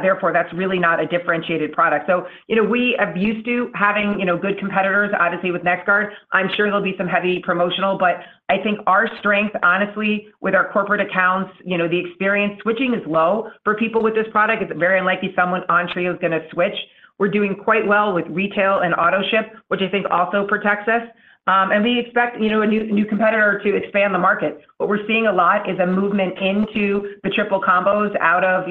therefore, that's really not a differentiated product. So we have used to having good competitors, obviously, with NexGard. I'm sure there'll be some heavy promotional, but I think our strength, honestly, with our corporate accounts, the experience switching is low for people with this product. It's very unlikely someone on Trio is going to switch. We're doing quite well with retail and auto ship, which I think also protects us. And we expect a new competitor to expand the market. What we're seeing a lot is a movement into the triple combos out of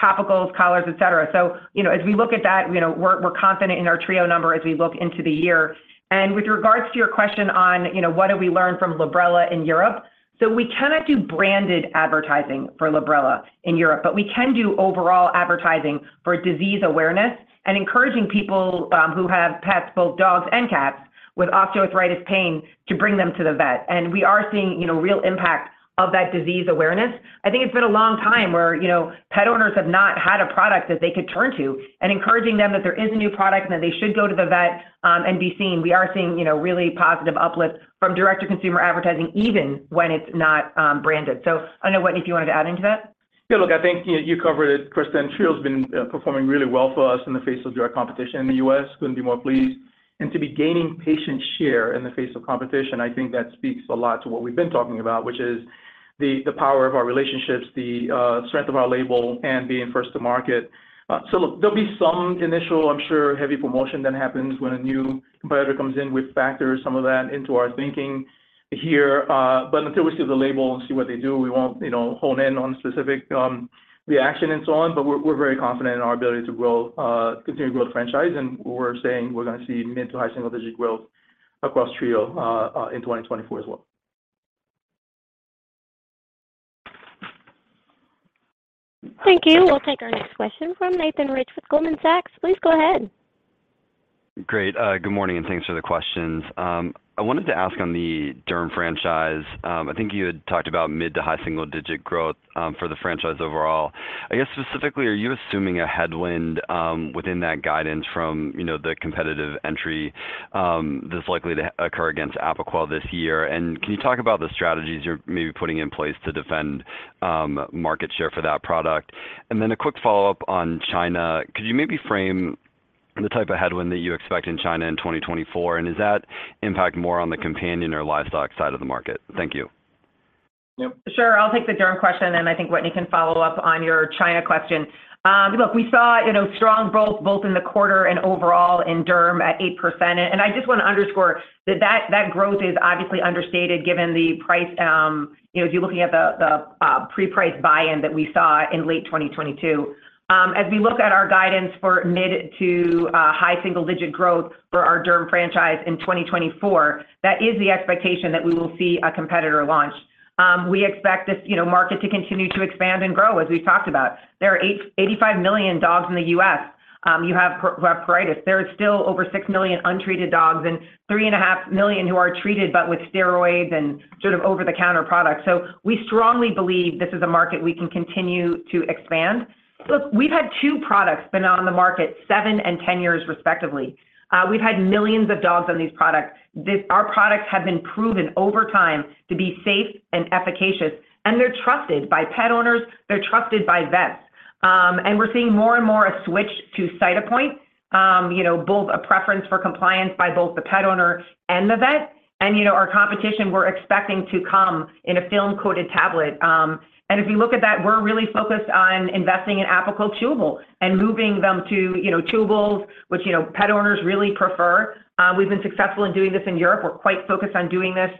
topicals, collars, etc. So as we look at that, we're confident in our Trio number as we look into the year. And with regards to your question on what do we learn from Librela in Europe? So we cannot do branded advertising for Librela in Europe, but we can do overall advertising for disease awareness and encouraging people who have pets, both dogs and cats, with osteoarthritis pain to bring them to the vet. And we are seeing real impact of that disease awareness. I think it's been a long time where pet owners have not had a product that they could turn to and encouraging them that there is a new product and that they should go to the vet and be seen. We are seeing really positive uplift from Direct-to-Consumer advertising, even when it's not branded. So I don't know, Wetteny, if you wanted to add into that. Yeah. Look, I think you covered it, Kristin. Trio has been performing really well for us in the face of direct competition in the U.S. Couldn't be more pleased. And to be gaining patient share in the face of competition, I think that speaks a lot to what we've been talking about, which is the power of our relationships, the strength of our label, and being first to market. So look, there'll be some initial, I'm sure, heavy promotion that happens when a new competitor comes in. We factor some of that into our thinking here. But until we see the label and see what they do, we won't hone in on specific reaction and so on. But we're very confident in our ability to continue to grow the franchise. And we're saying we're going to see mid- to high-single-digit growth across Trio in 2024 as well. Thank you. We'll take our next question from Nathan Rich with Goldman Sachs. Please go ahead. Great. Good morning, and thanks for the questions. I wanted to ask on the Derm franchise. I think you had talked about mid- to high-single-digit growth for the franchise overall. I guess, specifically, are you assuming a headwind within that guidance from the competitive entry that's likely to occur against Apoquel this year? And can you talk about the strategies you're maybe putting in place to defend market share for that product? And then a quick follow-up on China. Could you maybe frame the type of headwind that you expect in China in 2024? And does that impact more on the companion or livestock side of the market? Thank you. Sure. I'll take the Derm question, and I think Wetteny can follow up on your China question. Look, we saw strong growth both in the quarter and overall in Derm at 8%. I just want to underscore that that growth is obviously understated given the pricing if you're looking at the pre-price buy-in that we saw in late 2022. As we look at our guidance for mid- to high-single-digit growth for our Derm franchise in 2024, that is the expectation that we will see a competitor launch. We expect this market to continue to expand and grow, as we've talked about. There are 85 million dogs in the U.S. who have pruritus. There are still over 6 million untreated dogs and 3.5 million who are treated but with steroids and sort of over-the-counter products. So we strongly believe this is a market we can continue to expand. Look, we've had two products been on the market, 7 and 10 years, respectively. We've had millions of dogs on these products. Our products have been proven over time to be safe and efficacious, and they're trusted by pet owners. They're trusted by vets. We're seeing more and more a switch to Cytopoint, both a preference for compliance by both the pet owner and the vet. Our competition, we're expecting to come in a film-coated tablet. If you look at that, we're really focused on investing in Apoquel Chewable and moving them to chewables, which pet owners really prefer. We've been successful in doing this in Europe. We're quite focused on doing this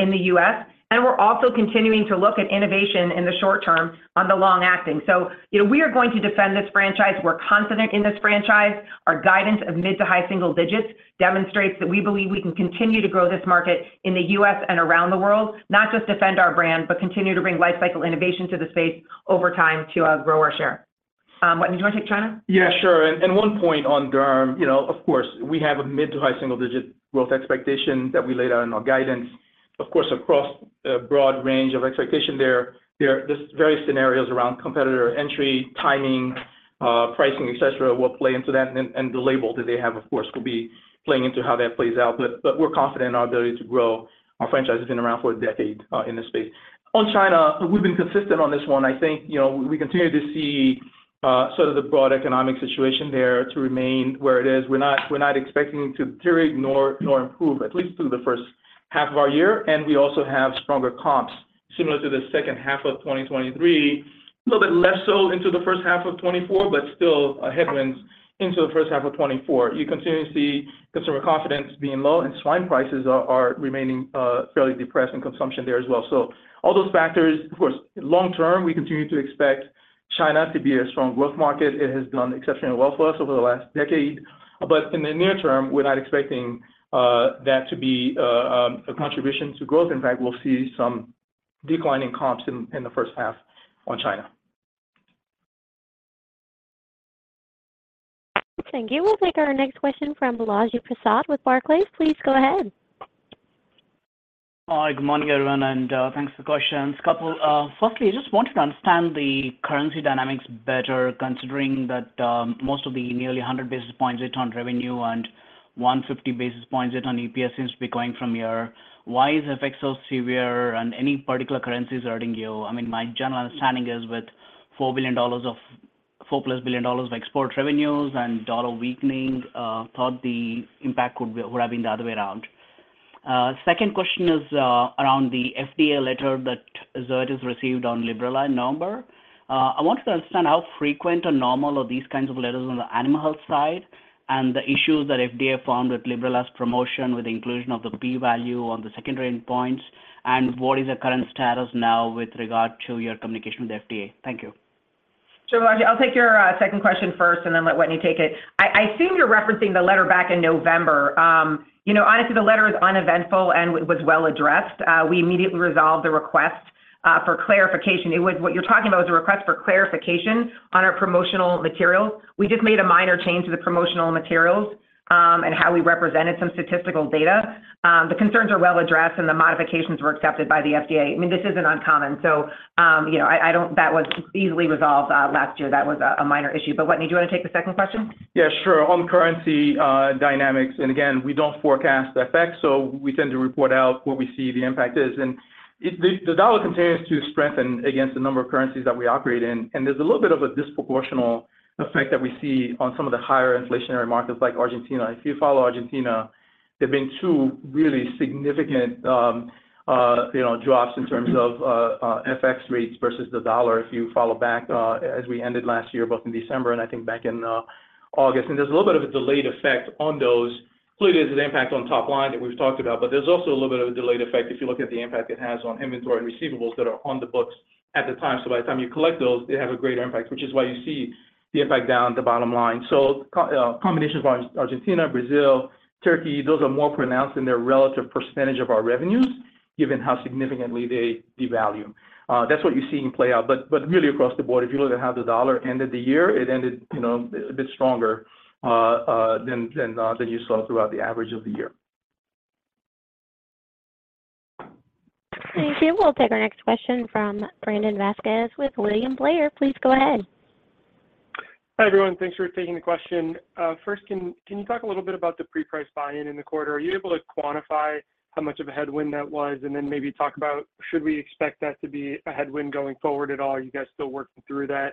in the U.S. We're also continuing to look at innovation in the short term on the long acting. So we are going to defend this franchise. We're confident in this franchise. Our guidance of mid- to high single digits demonstrates that we believe we can continue to grow this market in the U.S. and around the world, not just defend our brand, but continue to bring lifecycle innovation to the space over time to grow our share. Wetteny, do you want to take China? Yeah, sure. And one point on Derm. Of course, we have a mid- to high single-digit growth expectation that we laid out in our guidance. Of course, across a broad range of expectation there, there are various scenarios around competitor entry, timing, pricing, etc., will play into that. And the label that they have, of course, will be playing into how that plays out. But we're confident in our ability to grow. Our franchise has been around for a decade in this space. On China, we've been consistent on this one. I think we continue to see sort of the broad economic situation there to remain where it is. We're not expecting it to deteriorate nor improve, at least through the first half of our year. We also have stronger comps similar to the second half of 2023, a little bit less so into the first half of 2024, but still a headwind into the first half of 2024. You continue to see consumer confidence being low, and swine prices are remaining fairly depressed in consumption there as well. All those factors, of course, long term, we continue to expect China to be a strong growth market. It has done exceptionally well for us over the last decade. In the near term, we're not expecting that to be a contribution to growth. In fact, we'll see some declining comps in the first half on China. Thank you. We'll take our next question from Balaji Prasad with Barclays. Please go ahead. Hi. Good morning, everyone, and thanks for the questions. Firstly, I just wanted to understand the currency dynamics better, considering that most of the nearly 100 basis points hit on revenue and 150 basis points hit on EPS seems to be going from here. Why is FX so severe, and any particular currencies hurting you? I mean, my general understanding is with $4 billion of $4-plus billion of export revenues and dollar weakening, I thought the impact would have been the other way around. Second question is around the FDA letter that Zoetis received on Librela in November. I wanted to understand how frequent or normal are these kinds of letters on the animal health side and the issues that FDA found with Librela's promotion with the inclusion of the p-value on the secondary endpoints, and what is the current status now with regard to your communication with the FDA? Thank you. Sure, Balaji. I'll take your second question first and then let Wetteny take it. I assume you're referencing the letter back in November. Honestly, the letter is uneventful and was well addressed. We immediately resolved the request for clarification. What you're talking about was a request for clarification on our promotional materials. We just made a minor change to the promotional materials and how we represented some statistical data. The concerns are well addressed, and the modifications were accepted by the FDA. I mean, this isn't uncommon. So that was easily resolved last year. That was a minor issue. But Wetteny, do you want to take the second question? Yeah, sure. On currency dynamics, and again, we don't forecast FX, so we tend to report out what we see the impact is. And the dollar continues to strengthen against the number of currencies that we operate in. And there's a little bit of a disproportional effect that we see on some of the higher inflationary markets like Argentina. If you follow Argentina, there have been two really significant drops in terms of FX rates versus the dollar. If you follow back as we ended last year, both in December and I think back in August. And there's a little bit of a delayed effect on those, including the impact on top line that we've talked about. But there's also a little bit of a delayed effect if you look at the impact it has on inventory and receivables that are on the books at the time. So by the time you collect those, they have a greater impact, which is why you see the impact down the bottom line. So combinations of Argentina, Brazil, Turkey, those are more pronounced in their relative percentage of our revenues given how significantly they devalue. That's what you're seeing play out. But really, across the board, if you look at how the US dollar ended the year, it ended a bit stronger than you saw throughout the average of the year. Thank you. We'll take our next question from Brandon Vazquez with William Blair. Please go ahead. Hi, everyone. Thanks for taking the question. First, can you talk a little bit about the pre-price buy-in in the quarter? Are you able to quantify how much of a headwind that was and then maybe talk about should we expect that to be a headwind going forward at all? Are you guys still working through that?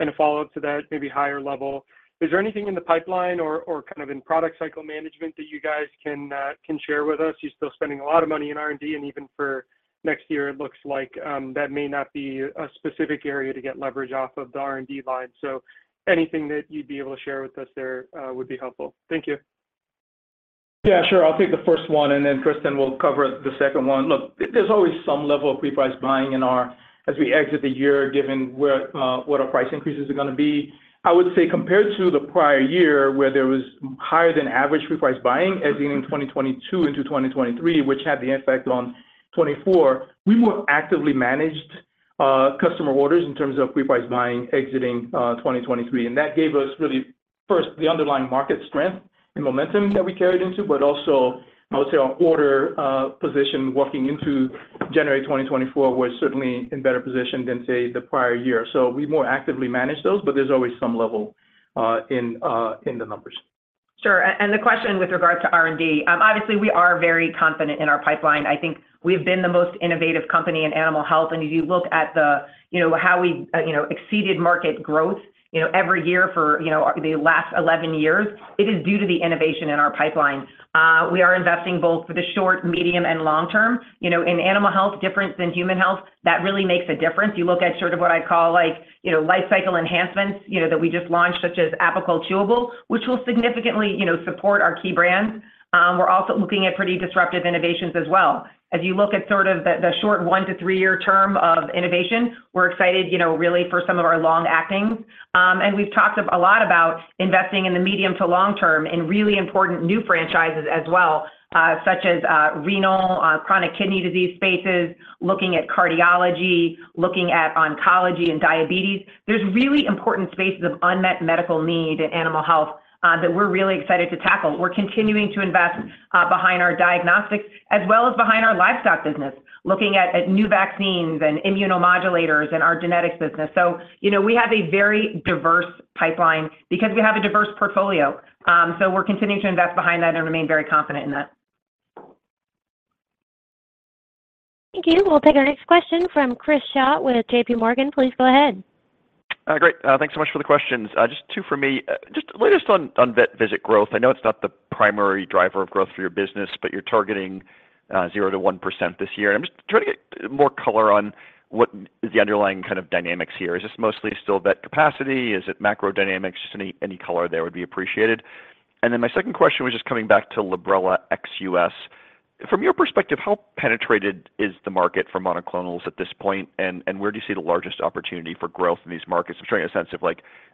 And a follow-up to that, maybe higher level, is there anything in the pipeline or kind of in product cycle management that you guys can share with us? You're still spending a lot of money in R&D, and even for next year, it looks like that may not be a specific area to get leverage off of the R&D line. So anything that you'd be able to share with us there would be helpful. Thank you. Yeah, sure. I'll take the first one, and then Kristin will cover the second one. Look, there's always some level of pre-price buying as we exit the year given what our price increases are going to be. I would say compared to the prior year where there was higher-than-average pre-price buying ending in 2022 into 2023, which had the impact on 2024, we more actively managed customer orders in terms of pre-price buying exiting 2023. And that gave us really, first, the underlying market strength and momentum that we carried into, but also, I would say, our order position walking into January 2024 was certainly in better position than, say, the prior year. So we more actively manage those, but there's always some level in the numbers. Sure. And the question with regard to R&D, obviously, we are very confident in our pipeline. I think we've been the most innovative company in animal health. And if you look at how we exceeded market growth every year for the last 11 years, it is due to the innovation in our pipeline. We are investing both for the short, medium, and long term. In animal health, different than human health, that really makes a difference. You look at sort of what I call lifecycle enhancements that we just launched, such as Apoquel Chewable, which will significantly support our key brands. We're also looking at pretty disruptive innovations as well. As you look at sort of the short 1-3-year term of innovation, we're excited really for some of our long actings. We've talked a lot about investing in the medium to long term in really important new franchises as well, such as renal, chronic kidney disease spaces, looking at cardiology, looking at oncology, and diabetes. There's really important spaces of unmet medical need in animal health that we're really excited to tackle. We're continuing to invest behind our diagnostics as well as behind our livestock business, looking at new vaccines and immunomodulators and our genetics business. We have a very diverse pipeline because we have a diverse portfolio. We're continuing to invest behind that and remain very confident in that. Thank you. We'll take our next question from Chris Schott with J.P. Morgan. Please go ahead. Great. Thanks so much for the questions. Just two for me, just the latest on vet visit growth. I know it's not the primary driver of growth for your business, but you're targeting 0%–1% this year. And I'm just trying to get more color on what is the underlying kind of dynamics here. Is this mostly still vet capacity? Is it macro dynamics? Just any color there would be appreciated. And then my second question was just coming back to Librela ex-U.S. From your perspective, how penetrated is the market for monoclonals at this point, and where do you see the largest opportunity for growth in these markets? I'm trying to get a sense of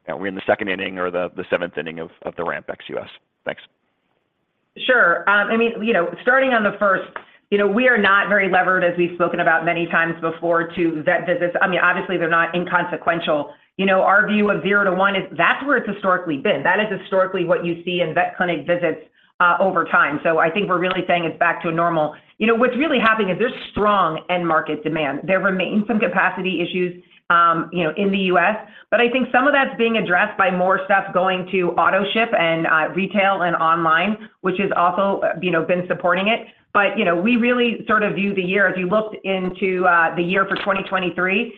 are we in the second inning or the seventh inning of the ramp ex-U.S.? Thanks. Sure. I mean, starting on the first, we are not very levered, as we've spoken about many times before, to vet visits. I mean, obviously, they're not inconsequential. Our view of 0–1 is that's where it's historically been. That is historically what you see in vet clinic visits over time. So I think we're really saying it's back to a normal. What's really happening is there's strong end-market demand. There remain some capacity issues in the U.S. But I think some of that's being addressed by more stuff going to auto ship and retail and online, which has also been supporting it. But we really sort of view the year as you looked into the year for 2023,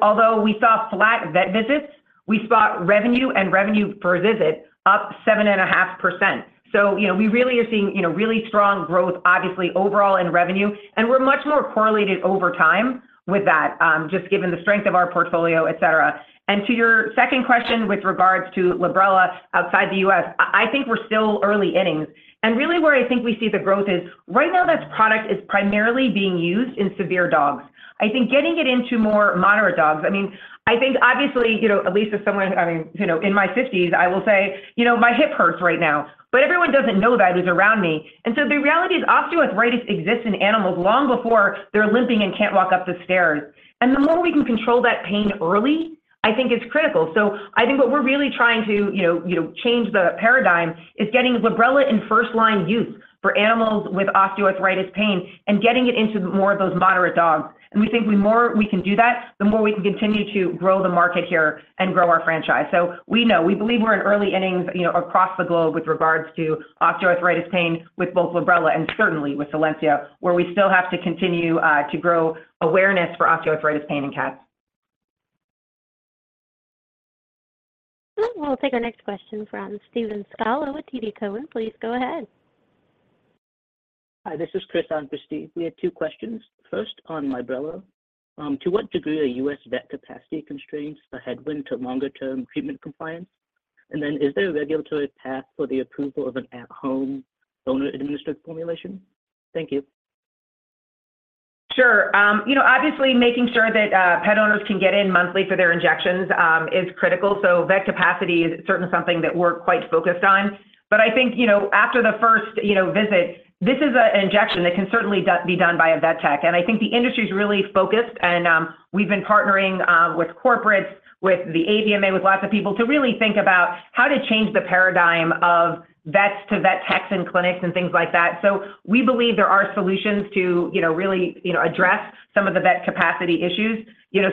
although we saw flat vet visits, we spot revenue and revenue per visit up 7.5%. So we really are seeing really strong growth, obviously, overall in revenue. We're much more correlated over time with that, just given the strength of our portfolio, etc. To your second question with regards to Librela outside the U.S., I think we're still early innings. Really, where I think we see the growth is right now, that product is primarily being used in severe dogs. I think getting it into more moderate dogs. I mean, I think obviously, at least as someone I mean, in my 50s, I will say, "My hip hurts right now." But everyone doesn't know that who's around me. So the reality is osteoarthritis exists in animals long before they're limping and can't walk up the stairs. The more we can control that pain early, I think, is critical. So I think what we're really trying to change the paradigm is getting Librela in first-line use for animals with osteoarthritis pain and getting it into more of those moderate dogs. And we think the more we can do that, the more we can continue to grow the market here and grow our franchise. So we know. We believe we're in early innings across the globe with regards to osteoarthritis pain with both Librela and certainly with Solensia, where we still have to continue to grow awareness for osteoarthritis pain in cats. We'll take our next question from Stephen Scala with TD Cowen. Please go ahead. Hi. This is Chris Schott. We had two questions. First, on Librela, to what degree are U.S. vet capacity constraints a headwind to longer-term treatment compliance? And then, is there a regulatory path for the approval of an at-home owner-administered formulation? Thank you. Sure. Obviously, making sure that pet owners can get in monthly for their injections is critical. So vet capacity is certainly something that we're quite focused on. But I think after the first visit, this is an injection that can certainly be done by a vet tech. And I think the industry is really focused. And we've been partnering with corporates, with the AVMA, with lots of people to really think about how to change the paradigm of vets to vet techs and clinics and things like that. So we believe there are solutions to really address some of the vet capacity issues.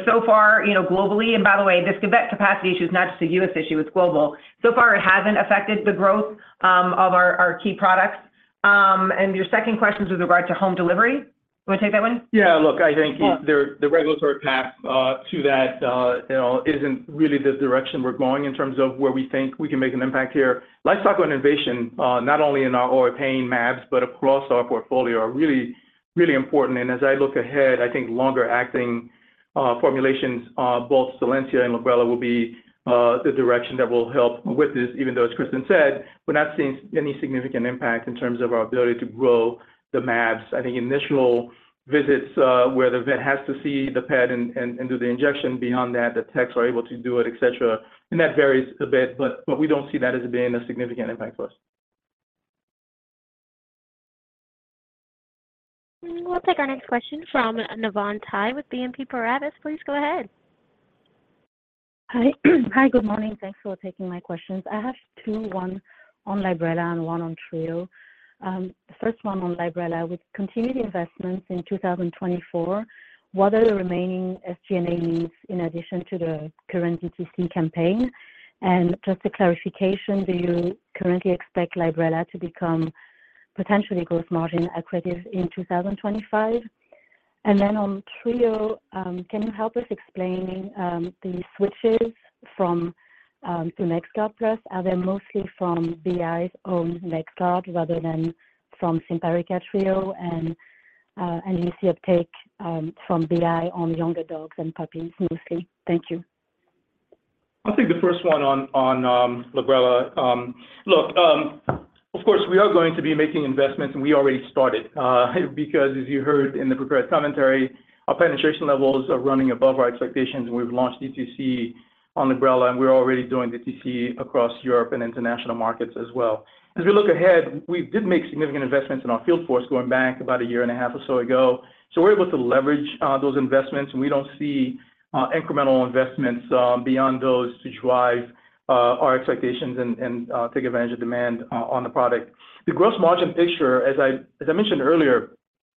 So far, globally and by the way, this vet capacity issue is not just a U.S. issue. It's global. So far, it hasn't affected the growth of our key products. And your second question is with regard to home delivery. You want to take that one? Yeah. Look, I think the regulatory path to that isn't really the direction we're going in terms of where we think we can make an impact here. Livestock innovation, not only in our pain mAbs but across our portfolio, are really, really important. And as I look ahead, I think longer-acting formulations, both Solensia and Librela, will be the direction that will help with this. Even though, as Kristen said, we're not seeing any significant impact in terms of our ability to grow the mAbs. I think initial visits where the vet has to see the pet and do the injection, beyond that, the techs are able to do it, etc. And that varies a bit. But we don't see that as being a significant impact for us. We'll take our next question from Navann Ty with BNP Paribas. Please go ahead. Hi. Hi. Good morning. Thanks for taking my questions. I have two, one on Librela and one on Trio. The first one on Librela, with continued investments in 2024, what are the remaining SG&A needs in addition to the current DTC campaign? And just a clarification, do you currently expect Librela to become potentially gross margin accretive in 2025? And then on Trio, can you help us explain the switches to NexGard Plus? Are they mostly from BI's own NexGard rather than from Simparica Trio? And do you see uptake from BI on younger dogs and puppies mostly? Thank you. I think the first one on Librela. Look, of course, we are going to be making investments, and we already started because, as you heard in the prepared commentary, our penetration levels are running above our expectations. We've launched DTC on Librela, and we're already doing DTC across Europe and international markets as well. As we look ahead, we did make significant investments in our field force going back about a year and a half or so ago. So we're able to leverage those investments. We don't see incremental investments beyond those to drive our expectations and take advantage of demand on the product. The gross margin picture, as I mentioned earlier,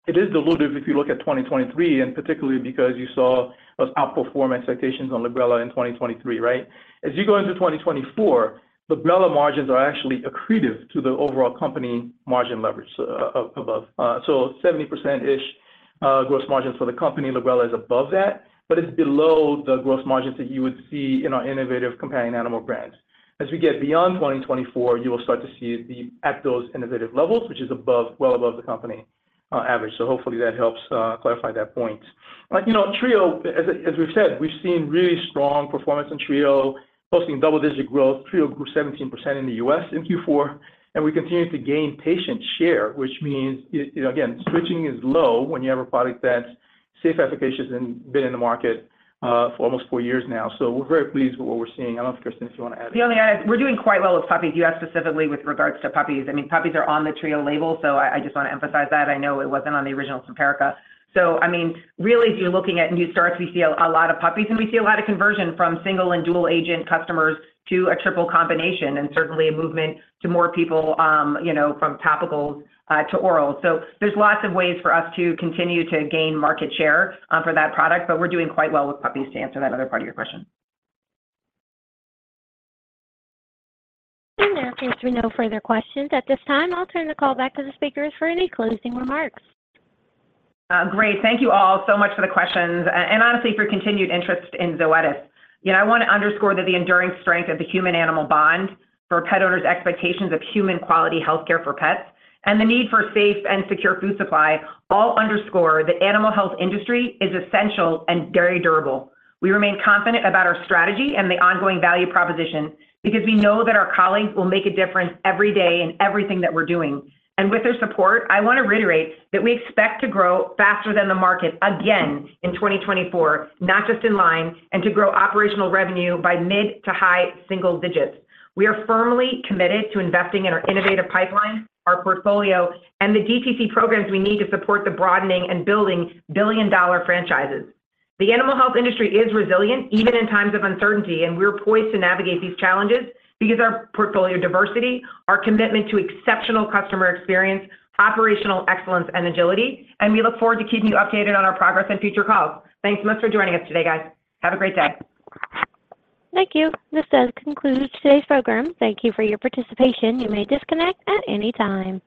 it is diluted if you look at 2023, and particularly because you saw those outperform expectations on Librela in 2023, right? As you go into 2024, Librela margins are actually accretive to the overall company margin leverage above. So 70%-ish gross margins for the company, Librela is above that. But it's below the gross margins that you would see in our innovative companion animal brands. As we get beyond 2024, you will start to see it be at those innovative levels, which is well above the company average. So hopefully, that helps clarify that point. TRIO, as we've said, we've seen really strong performance in TRIO, posting double-digit growth. TRIO grew 17% in the U.S. in Q4. And we continue to gain patient share, which means, again, switching is low when you have a product that's safe, efficacious, and been in the market for almost four years now. So we're very pleased with what we're seeing. I don't know if, Kristen, if you want to add. The only thing I would add is we're doing quite well with puppies. You asked specifically with regards to puppies. I mean, puppies are on the Trio label. So I just want to emphasize that. I know it wasn't on the original Simparica. So I mean, really, if you're looking at new starts, we see a lot of puppies. And we see a lot of conversion from single and dual-agent customers to a triple combination and certainly a movement to more people from topicals to orals. So there's lots of ways for us to continue to gain market share for that product. But we're doing quite well with puppies to answer that other part of your question. There seems to be no further questions at this time. I'll turn the call back to the speakers for any closing remarks. Great. Thank you all so much for the questions and honestly for continued interest in Zoetis. I want to underscore that the enduring strength of the human-animal bond for pet owners' expectations of human-quality healthcare for pets and the need for safe and secure food supply all underscore that animal health industry is essential and very durable. We remain confident about our strategy and the ongoing value proposition because we know that our colleagues will make a difference every day in everything that we're doing. And with their support, I want to reiterate that we expect to grow faster than the market again in 2024, not just in line, and to grow operational revenue by mid- to high-single digits. We are firmly committed to investing in our innovative pipeline, our portfolio, and the DTC programs we need to support the broadening and building billion-dollar franchises. The animal health industry is resilient even in times of uncertainty. We're poised to navigate these challenges because of our portfolio diversity, our commitment to exceptional customer experience, operational excellence, and agility. We look forward to keeping you updated on our progress and future calls. Thanks so much for joining us today, guys. Have a great day. Thank you. This does conclude today's program. Thank you for your participation. You may disconnect at any time.